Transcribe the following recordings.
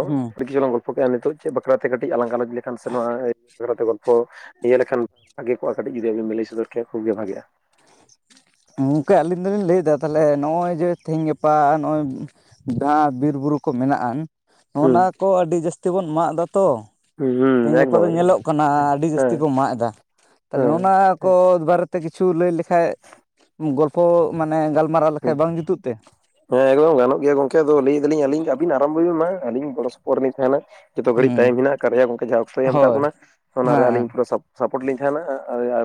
ᱦᱩᱸ ᱟᱹᱰᱤ ᱠᱤᱪᱷᱩ ᱞᱟᱝ ᱜᱚᱞᱯᱚᱠᱮᱼᱟ ᱱᱤᱛᱚᱜ ᱪᱮᱫ ᱵᱟᱠᱷᱨᱟᱛᱮ ᱠᱟᱴᱤᱡ ᱟᱞᱟᱝ ᱜᱟᱞᱚᱪᱼᱼ ᱞᱮᱠᱷᱟᱱ ᱥᱮ ᱱᱚᱣᱟ ᱵᱟᱠᱷᱨᱟᱛᱮ ᱜᱚᱞᱯᱷᱚ ᱤᱭᱟᱹ ᱞᱮᱠᱷᱟᱱ ᱵᱷᱟᱜᱮᱼᱼ ᱠᱚᱜᱼᱟ ᱠᱟᱴᱤᱡ ᱡᱩᱫᱤ ᱟᱵᱤᱱ ᱞᱟᱹᱭ ᱥᱚᱫᱚᱨ ᱠᱮᱭᱟ ᱠᱷᱩᱵ ᱜᱮ ᱵᱷᱟᱹᱜᱮᱼᱟ ᱾ ᱜᱚᱝᱠᱮ ᱟᱹᱞᱤᱧ ᱫᱚᱞᱤᱧ ᱞᱟᱹᱭᱮᱫᱟ ᱛᱟᱦᱚᱞᱮ ᱱᱚᱜᱼᱚᱭ ᱡᱮ ᱛᱮᱦᱤᱧ ᱜᱟᱯᱟ ᱱᱚᱜᱼᱚᱭᱼᱼ ᱡᱟᱦᱟᱸ ᱵᱤᱨ ᱵᱩᱨᱩ ᱠᱚ ᱢᱮᱱᱟᱜᱼᱟᱱ ᱱᱚᱜᱼ ᱦᱩᱸ ᱱᱚᱣᱟ ᱠᱚ ᱟᱹᱰᱤ ᱡᱟᱹᱥᱛᱤ ᱵᱚᱱ ᱢᱟᱜ ᱫᱟᱛᱚ ᱾ ᱦᱩᱸ ᱛᱮᱦᱤᱧ ᱜᱟᱯᱟ ᱮᱠᱫᱚᱢ ᱫᱚ ᱮᱠᱫᱚᱢ ᱧᱮᱞᱚᱜ ᱠᱟᱱᱟ ᱦᱮᱸ ᱟᱹᱰᱤ ᱡᱟᱹᱥᱛᱤ ᱠᱚ ᱢᱟᱜ ᱫᱟ ᱛᱟᱦᱚᱞᱮ ᱦᱮᱸ ᱚᱱᱟᱼᱼ ᱠᱚ ᱦᱮᱸ ᱵᱟᱨᱮᱛᱮ ᱠᱤᱪᱷᱩ ᱞᱟᱹᱭ ᱞᱮᱠᱷᱟᱡ ᱜᱚᱞᱯᱷᱚ ᱢᱟᱱᱮ ᱜᱟᱞᱢᱟᱨᱟᱣ ᱞᱮᱠᱷᱟᱡ ᱵᱟᱝ ᱡᱩᱛᱩᱜ ᱛᱮ? ᱦᱮᱸ ᱮᱠᱫᱚᱢ ᱜᱟᱱᱚᱜ ᱜᱮᱭᱟ ᱜᱚᱝᱠᱮ ᱟᱫᱚ ᱞᱮᱭᱫᱟᱞᱤᱧ ᱟᱞᱤᱧᱜᱮ ᱟᱵᱤᱱ ᱜᱮ ᱟᱨᱟᱢᱵᱚᱭ ᱵᱮᱱ ᱢᱟ ᱟᱞᱤᱧ ᱜᱚᱲᱚ ᱥᱚᱯᱚᱦᱚᱫ ᱨᱮᱞᱤᱧ ᱛᱟᱦᱮᱱᱟ ᱾ ᱡᱚᱛᱚ ᱜᱷᱟᱹᱲᱤᱡ ᱦᱩᱸ ᱴᱟᱭᱤᱢ ᱦᱮᱱᱟᱜᱼᱟ ᱠᱟᱨᱭᱟ ᱜᱚᱝᱠᱮ ᱡᱟᱦᱟᱸ ᱚᱠᱛᱚᱭ ᱮᱢ ᱠᱟᱜ ᱦᱳᱭ ᱵᱚᱱᱟ ᱚᱱᱟᱨᱮ ᱦᱮᱸ ᱟᱞᱤᱧ ᱯᱩᱨᱟᱹ ᱥᱟᱯᱼᱼ ᱥᱟᱯᱚᱨᱴ ᱞᱤᱧ ᱛᱟᱦᱮᱱᱟ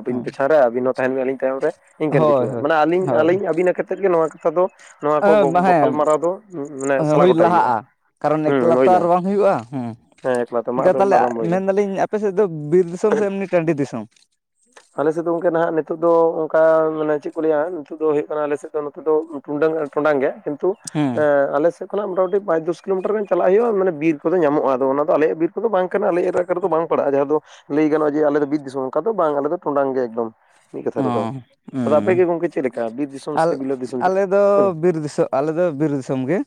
ᱟᱹᱵᱤᱱ ᱦᱮᱸ ᱯᱮᱪᱷᱟᱱ ᱨᱮ ᱟᱵᱤᱱ ᱦᱚᱸ ᱛᱟᱦᱮᱱᱵᱤᱱ ᱟᱹᱞᱤᱧ ᱯᱮᱪᱷᱟᱱ ᱨᱮ ᱾ ᱤᱱᱠᱟᱹᱱ ᱦᱳᱭ ᱠᱤᱪᱷᱩ ᱦᱳᱭ ᱢᱟᱱᱮ ᱟᱹᱞᱤᱧ ᱟᱹᱞᱤᱧ ᱟᱹᱵᱤᱱᱟᱜ ᱠᱷᱟᱛᱤᱨ ᱜᱮ ᱱᱚᱣᱟ ᱠᱟᱛᱷᱟ ᱫᱚ ᱱᱚᱣᱟ ᱠᱚ ᱮ ᱦᱮᱸ ᱜᱟᱯᱟᱞᱢᱟᱨᱟᱣ ᱫᱚ ᱢᱟᱱᱮ ᱥᱟᱞᱟ ᱦᱩᱭ ᱜᱚᱴᱟᱭ ᱦᱩᱭᱩᱜᱼᱟ ᱞᱟᱦᱟᱜᱼᱟ ᱠᱟᱨᱚᱱ ᱦᱩᱸ ᱮᱠᱞᱟ ᱛᱚ ᱦᱩᱭᱱᱟ ᱟᱨ ᱵᱟᱝ ᱦᱩᱭᱩᱜᱼᱟ ᱦᱩᱸ ᱦᱮᱸ ᱮᱠᱞᱟ ᱛᱮ ᱢᱟ ᱜᱚᱝᱠᱮ ᱟᱫᱚ ᱛᱟᱞᱦᱮ ᱟᱨᱟᱢᱵᱚᱭ ᱵᱤᱱ ᱢᱮᱱᱫᱟᱞᱤᱧ ᱟᱯᱮ ᱥᱮᱫ ᱫᱚ ᱵᱤᱨ ᱫᱤᱥᱚᱢ ᱥᱮ ᱮᱢᱱᱤ ᱴᱟᱺᱰᱤ ᱫᱤᱥᱚᱢ? ᱟᱞᱮᱥᱮᱫ ᱫᱚ ᱜᱚᱝᱠᱮ ᱱᱟᱦᱟᱸᱜ ᱱᱤᱛᱚᱜ ᱫᱚ ᱚᱱᱠᱟ ᱢᱟᱱᱮ ᱪᱮᱫ ᱠᱚ ᱞᱟᱹᱭᱟ ᱱᱤᱛᱚᱜ ᱫᱚ ᱦᱩᱭᱩᱜ ᱠᱟᱱᱟ ᱟᱞᱮᱥᱮᱫ ᱫᱚ ᱱᱤᱛᱚᱜ ᱫᱚ ᱴᱩᱰᱟᱹᱝ ᱴᱚᱰᱟᱝ ᱜᱮ ᱠᱤᱱᱛᱩ ᱦᱮᱸ ᱮ ᱟᱞᱮ ᱥᱮᱫᱼᱼ ᱠᱷᱚᱱᱟᱜ ᱢᱚᱴᱟᱢᱩᱴᱤ ᱯᱟᱸᱪ ᱫᱚᱥ ᱠᱤᱞᱳᱢᱤᱴᱟᱨ ᱜᱟᱱ ᱪᱟᱞᱟᱜ ᱦᱩᱭᱩᱜᱼᱟ ᱢᱟᱱᱮ ᱵᱤᱨ ᱠᱚᱫᱚ ᱧᱟᱢᱚᱜᱼᱟ ᱟᱫᱚ ᱚᱱᱟᱫᱚ ᱟᱞᱮᱭᱟᱜ ᱵᱤᱨ ᱠᱚᱫᱚ ᱵᱟᱝ ᱠᱟᱱᱟ ᱟᱞᱮ ᱮᱨᱟᱼᱼ ᱨᱮ ᱫᱚ ᱵᱟᱝ ᱯᱟᱲᱟᱜᱼᱟ ᱡᱟᱦᱟᱸ ᱫᱚ ᱞᱟᱹᱭ ᱜᱟᱱᱼᱟᱮ ᱟᱞᱮ ᱫᱚ ᱵᱤᱨ ᱫᱤᱥᱚᱢ ᱚᱱᱠᱟ ᱫᱚ ᱵᱟᱝ ᱟᱞᱮ ᱫᱚ ᱴᱚᱸᱰᱟᱝ ᱜᱮ ᱮᱠᱫᱚᱢ ᱢᱤᱫ ᱠᱟᱛᱷᱟ ᱚ ᱨᱮᱫᱚ ᱟᱫᱚ ᱟᱯᱮ ᱩᱸ ᱜᱮ ᱜᱚᱝᱠᱮ ᱪᱮᱫ ᱞᱮᱠᱟ ᱵᱤᱨ ᱫᱤᱥᱚᱢ ᱟᱞ ᱥᱮ ᱵᱤᱞᱟᱹᱛ ᱫᱤᱥᱚᱢ ᱟᱞᱮ ᱫᱚ ᱦᱩᱸ ᱵᱤᱨ ᱫᱤᱥᱚᱢ ᱟᱞᱮᱫᱚ ᱵᱤᱨ ᱫᱤᱥᱚᱢᱜᱮ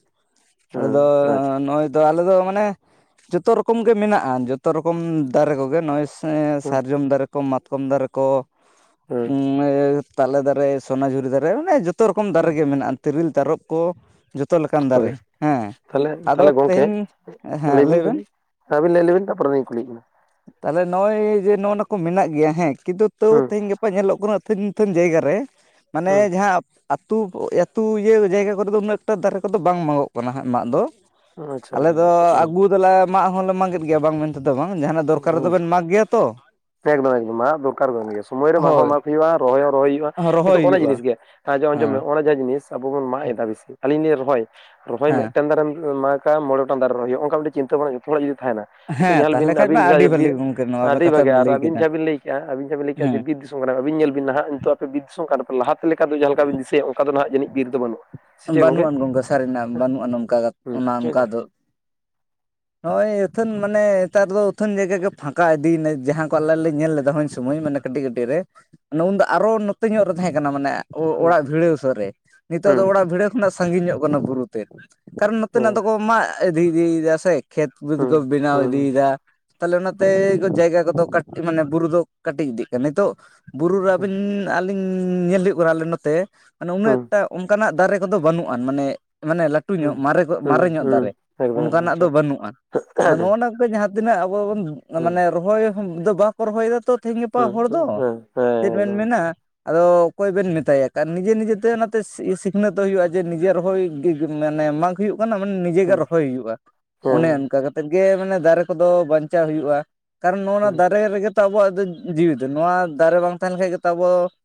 ᱟᱞᱮᱫᱚ ᱟᱪᱪᱷᱟ ᱱᱚᱜᱼᱚᱭᱼᱼ ᱫᱚ ᱟᱞᱮᱚ ᱢᱟᱱᱮ ᱡᱚᱛᱚ ᱨᱚᱠᱚᱢ ᱜᱮ ᱢᱮᱱᱟᱜᱼᱟ ᱡᱚᱛᱚ ᱨᱚᱠᱚᱢ ᱫᱟᱨᱮ ᱠᱚᱜᱮ ᱱᱚᱜᱼᱚᱭ ᱮ ᱦᱩᱸ ᱥᱟᱨᱡᱚᱢ ᱫᱟᱨᱮ ᱠᱚ ᱢᱟᱛᱠᱚᱢ ᱫᱟᱨᱮ ᱠᱚ ᱦᱩᱸ ᱮ ᱛᱟᱞᱮ ᱫᱟᱨᱮ ᱥᱚᱱᱟᱡᱷᱩᱨᱤ ᱫᱟᱨᱮ ᱢᱟᱱᱮ ᱡᱚᱛᱚ ᱨᱚᱠᱚᱢ ᱫᱟᱨᱮ ᱜᱮ ᱢᱮᱱᱟᱜᱼᱟ ᱛᱤᱨᱤᱞ ᱛᱟᱨᱚᱵ ᱠᱚ ᱡᱚᱛᱚ ᱞᱮᱠᱟᱱ ᱫᱟᱨᱮ ᱦᱮᱸ ᱛᱟᱦᱞᱮ ᱟᱫᱚ ᱛᱟᱦᱞᱮ ᱛᱮᱦᱮᱧ ᱦᱮᱸ ᱞᱟᱹᱭ ᱵᱮᱱ? ᱟᱵᱤᱱ ᱞᱟᱹᱭ ᱞᱮᱵᱤᱱ ᱛᱟᱨᱯᱚᱨᱮ ᱞᱤᱧ ᱠᱩᱞᱤᱭᱮᱫ ᱵᱤᱱᱟ ᱛᱟᱦᱚᱞᱮ ᱱᱚᱜᱼᱚᱭ ᱡᱮ ᱱᱚᱜᱼᱚ ᱱᱟ ᱠᱚ ᱢᱮᱱᱟᱜ ᱜᱮᱭᱟ ᱦᱮᱸ ᱠᱤᱱᱛᱩ ᱛᱟᱹᱣ ᱦᱩᱸ ᱛᱮᱦᱮᱧ ᱜᱟᱯᱼᱼ ᱯᱟ ᱧᱮᱞᱚᱜ ᱠᱟᱱᱟ ᱤᱛᱟᱹᱱ ᱤᱛᱟᱹᱱ ᱡᱟᱭᱜᱟ ᱨᱮ ᱢᱟᱱᱮ ᱦᱩᱸ ᱡᱟᱦᱟᱸᱼᱼ ᱟᱹᱛᱩ ᱟᱹᱛᱩ ᱤᱭᱟᱹ ᱡᱟᱭᱜᱟ ᱠᱚᱨᱮᱫ ᱫᱚ ᱩᱱᱟᱹᱜ ᱮᱠᱴᱟ ᱫᱟᱨᱮ ᱠᱚᱫᱚ ᱵᱟᱝ ᱢᱟᱜᱚᱜ ᱠᱟᱱᱟ ᱦᱟᱸᱜ ᱢᱟᱜ ᱫᱚ ᱟᱪᱪᱷᱟ ᱟᱞᱮ ᱫᱚ ᱟᱪᱪᱷᱟ ᱟᱹᱜᱩ ᱫᱟᱞᱮ ᱢᱟᱜ ᱦᱚᱸᱞᱮ ᱢᱟᱸᱜᱮᱫ ᱜᱮᱭᱟ ᱵᱟᱝ ᱢᱮᱱᱼᱼ ᱛᱮᱫᱚ ᱵᱟᱝ ᱡᱟᱦᱟᱱᱟᱜ ᱫᱚᱨᱠᱟᱨ ᱨᱮᱫᱚ ᱦᱩᱸ ᱵᱮᱱ ᱢᱟᱜᱽ ᱜᱮᱭᱟ ᱛᱚ ᱮᱠᱫᱚᱢ ᱮᱠᱫᱚᱢ ᱢᱟᱜ ᱫᱚᱨᱠᱟᱨ ᱵᱮᱱ ᱜᱮᱼᱼ ᱥᱚᱢᱚᱭ ᱨᱮ ᱢᱟᱜ ᱦᱚᱸ ᱦᱳᱭ ᱢᱟᱜ ᱦᱩᱭᱩᱜᱼᱟ ᱨᱚᱦᱚᱭ ᱦᱚᱸ ᱨᱚᱦᱚᱭ ᱦᱩᱭᱩᱜᱼᱟ ᱠᱤᱱᱛᱩ ᱨᱚᱦᱚᱭ ᱚᱱᱟ ᱦᱩᱭᱩᱜᱼᱟ ᱡᱤᱱᱤᱥ ᱜᱮ ᱟᱸᱡ ᱟᱸᱡᱚᱢ ᱢᱮ ᱦᱮᱸ ᱚᱱᱟ ᱡᱟᱦᱟᱸ ᱡᱤᱱᱤᱥᱼᱼ ᱟᱵᱚ ᱵᱚᱱ ᱢᱟᱜ ᱮᱫᱟ ᱵᱮᱥᱤ ᱟᱞᱤᱧ ᱞᱤᱧ ᱨᱚᱦᱚᱭ ᱨᱚᱦᱚᱭ ᱦᱮᱸ ᱢᱤᱫᱴᱮᱱ ᱫᱟᱨᱮᱢ ᱢᱟᱜᱼᱼ ᱠᱷᱟᱱ ᱢᱚᱬᱮᱜᱚᱴᱮᱱ ᱫᱟᱨᱮ ᱨᱚᱦᱚᱭ ᱦᱩᱭᱩᱜᱼᱟ ᱚᱱᱠᱟ ᱢᱤᱴᱤᱡ ᱪᱤᱱᱛᱟᱹ ᱵᱷᱟᱵᱱᱟ ᱦᱚᱲᱟᱜ ᱡᱩᱫᱤ ᱛᱟᱦᱮᱱᱟᱼᱼ ᱱᱤᱛᱚᱜ ᱦᱮᱸ ᱧᱮᱞ ᱛᱟᱦᱚᱞᱮ ᱵᱤᱱ ᱠᱷᱟᱡ ᱢᱟ ᱟᱹᱵᱤᱱ ᱟᱹᱰᱤ ᱵᱷᱟᱹᱞᱤ ᱡᱟᱸᱦᱟ ᱜᱚᱢᱠᱮ [unintelligible] ᱱᱚᱣᱟ ᱟᱹᱰᱤ ᱠᱟᱛᱷᱟ ᱵᱷᱟᱜᱮ ᱵᱮᱱ ᱟᱨᱼᱼ ᱞᱟᱹᱭ ᱟᱵᱤᱱ ᱠᱮᱫᱟ ᱡᱟᱦᱟᱸ ᱵᱤᱱ ᱞᱮᱭ ᱠᱮᱫᱼᱟ ᱟᱵᱤᱱ ᱡᱟᱦᱟᱸᱵᱤᱱ ᱞᱮᱭ ᱠᱮᱫᱼᱟ ᱦᱮᱸ ᱡᱮ ᱵᱤᱨ ᱫᱤᱥᱚᱢ ᱠᱟᱱᱟ ᱯᱮ ᱟᱵᱤᱱ ᱧᱮᱞᱵᱤᱱ ᱱᱟᱦᱟᱸᱜ ᱱᱤᱛᱚᱜ ᱟᱯᱮ ᱵᱤᱨ ᱫᱤᱥᱚᱢ ᱠᱟᱱᱟ ᱯᱮ ᱞᱟᱦᱟᱼᱼ ᱞᱮᱠᱟ ᱫᱚ ᱡᱟᱦᱟ ᱞᱮᱠᱟᱢ ᱵᱤᱱ ᱫᱤᱥᱟᱹᱭᱟ ᱚᱱᱠᱟ ᱫᱚᱱᱦᱟᱜ ᱡᱟᱹᱱᱤᱡ ᱵᱤᱨ ᱫᱚ ᱵᱟᱹᱱᱩᱜ-ᱟ᱾ ᱵᱟᱹᱱᱩᱜ-ᱟᱱ ᱜᱚᱝᱠᱮ ᱥᱟᱹᱨᱤᱱᱟᱜ ᱵᱟᱹᱱᱩᱜ-ᱟᱱ ᱚᱱᱠᱟ ᱦᱩᱸ ᱚᱱᱟ ᱚᱱᱠᱟ ᱫᱚ᱾ ᱱᱚᱜ-ᱚᱭ ᱟᱹᱛᱷᱟᱹᱱ ᱢᱟᱱᱮ ᱱᱮᱛᱟᱨ ᱫᱚ ᱩᱛᱷᱟᱹᱱ ᱡᱟᱭᱜᱟ ᱜᱮ ᱯᱷᱟᱸᱠᱟ ᱤᱫᱤᱭ ᱱᱟ ᱡᱟᱦᱟᱸ ᱠᱚ ᱟᱞᱮ ᱞᱮ ᱧᱮᱞ ᱞᱮᱫᱟ ᱦᱚᱧ ᱥᱩᱢᱚᱭ ᱢᱟᱱᱮ ᱠᱟᱹᱴᱤᱡ ᱠᱟᱹᱴᱤᱡ ᱨᱮ ᱱᱮ ᱩᱱᱫᱚ ᱟᱨᱚ ᱱᱚᱛᱮ ᱧᱚᱜ ᱨᱮ ᱛᱟᱦᱮᱸ ᱠᱟᱱᱟ ᱢᱟᱱᱮ ᱚᱲᱟᱜ ᱵᱷᱤᱲᱟᱹᱶ ᱥᱟᱹᱨ ᱨᱮ ᱱᱤᱛᱚᱜ ᱦᱩᱸ ᱫᱚ ᱚᱲᱟᱜ ᱵᱷᱤᱲᱟᱹᱣ ᱠᱷᱚᱱᱟᱜ ᱥᱟᱺᱜᱤᱧ ᱧᱚᱜ ᱠᱟᱱᱟ ᱵᱩᱨᱩ ᱛᱮᱫ᱾ ᱠᱟᱨᱚᱱ ᱱᱚᱛᱮᱱᱟᱜ ᱦᱩᱸ ᱫᱚᱠᱚ ᱢᱟᱜ ᱤᱫᱤ ᱤᱫᱤᱭᱮᱫᱟ ᱥᱮ ᱠᱷᱮᱛ ᱵᱟᱹᱛ ᱦᱩᱸ ᱠᱚ ᱵᱮᱱᱟᱣ ᱦᱩᱸ ᱤᱫᱤᱭᱫᱟ᱾ ᱛᱟᱦᱞᱮ ᱚᱱᱟ ᱛᱮ ᱦᱩᱸ ᱡᱟᱭᱜᱟ ᱠᱚᱫᱚ ᱠᱟᱴ ᱢᱟᱱᱮ ᱵᱩᱨᱩ ᱫᱚ ᱠᱟᱹᱴᱤᱡ ᱤᱫᱤᱜ ᱠᱟᱱᱟ᱾ ᱱᱤᱛᱚᱜᱼᱼ ᱵᱩᱨᱩ ᱨᱮ ᱦᱩᱸ ᱟᱵᱮᱱᱼᱟᱞᱤᱧ ᱧᱮᱞ ᱦᱩᱭᱩᱜ ᱠᱟᱱᱟ, ᱟᱞᱮ ᱱᱚᱛᱮ ᱢᱟᱱᱮ ᱦᱩᱸ ᱩᱱᱟᱹᱜ ᱴᱟᱼᱼ ᱟᱱᱠᱟᱱᱟᱜ ᱫᱟᱨᱮ ᱠᱚᱫᱚ ᱵᱟᱹᱱᱩᱜ-ᱟ ᱢᱟᱱᱮ, ᱢᱟᱱᱮ ᱞᱟ ᱞᱟᱹᱴᱩ ᱧᱚᱜ ᱢᱟᱨᱮ, ᱢᱟᱨᱮ ᱧᱚᱜ ᱫᱟᱨᱮ ᱚᱱᱠᱟᱱᱟᱜ ᱫᱚ ᱵᱟᱹᱱᱩᱜᱼᱟ᱾ ᱟᱫᱚ ᱱᱚᱜᱼᱚᱭ ᱱᱚᱣᱟ ᱠᱚ ᱜᱮ ᱡᱟᱦᱟᱸ [unintelligible] ᱼᱼ ᱛᱤᱱᱟᱹᱜ ᱟᱵᱚ ᱵᱚᱱ ᱢᱟᱱᱮ ᱨᱚᱦᱚᱭ ᱫᱚ ᱵᱟᱸᱼᱼ ᱵᱟᱠᱚ ᱨᱚᱦᱚᱭᱮᱫᱟ ᱛᱚ ᱛᱮᱦᱮᱧ ᱜᱟᱯᱟ ᱦᱚᱲ ᱫᱚ ᱦᱮᱸ, ᱦᱮᱸ ᱪᱮᱫ ᱵᱮᱱ ᱮᱠᱫᱚᱢ ᱢᱮᱱᱟᱼᱼ ᱟᱫᱚ ᱚᱠᱚᱭ ᱵᱮᱱ ᱢᱮᱛᱟᱭᱟ, ᱞᱟᱨᱚᱱ ᱱᱤᱡᱮ ᱱᱤᱡᱮ ᱛᱮ ᱚᱱᱟ ᱛᱮ ᱥᱤᱠᱷᱱᱟᱹᱛᱚᱜ ᱦᱳᱭᱩᱜᱼᱟ, ᱡᱮ ᱱᱤᱡᱮ ᱨᱚᱦᱚᱭ ᱢᱟᱱᱮ ᱢᱟᱜ ᱦᱳᱭᱩᱜ ᱠᱟᱱᱟ ᱢᱟᱱᱮ ᱱᱤᱡᱮ ᱜᱮ ᱦᱩᱸ, ᱨᱚᱦᱚᱭ ᱦᱳᱭᱩᱜᱼᱟ᱾ ᱚᱱᱮ ᱦᱩᱸ, ᱚᱱᱠᱟ ᱠᱟ ᱛᱮᱫ ᱜᱮ ᱢᱟᱱᱮ ᱫᱟᱨᱮ ᱠᱚᱫᱚ, ᱵᱟᱧᱪᱟᱣ ᱦᱳᱭᱩᱜᱼᱟ, ᱠᱟᱨᱚᱱ ᱱᱚᱜᱼᱱᱟ ᱦᱩᱸ, ᱫᱟᱨᱮ ᱨᱮ ᱜᱮ ᱟᱵᱚᱣᱟᱜ ᱫᱚ ᱡᱤᱣᱤ ᱫᱚ ᱱᱚᱣᱟ ᱫᱟᱨᱮ ᱵᱟᱝ ᱛᱟᱦᱮᱸ ᱞᱮᱱ ᱠᱷᱟᱡ ᱜᱮᱛᱚ ᱟᱵᱚ [unintelligible] ᱼᱼ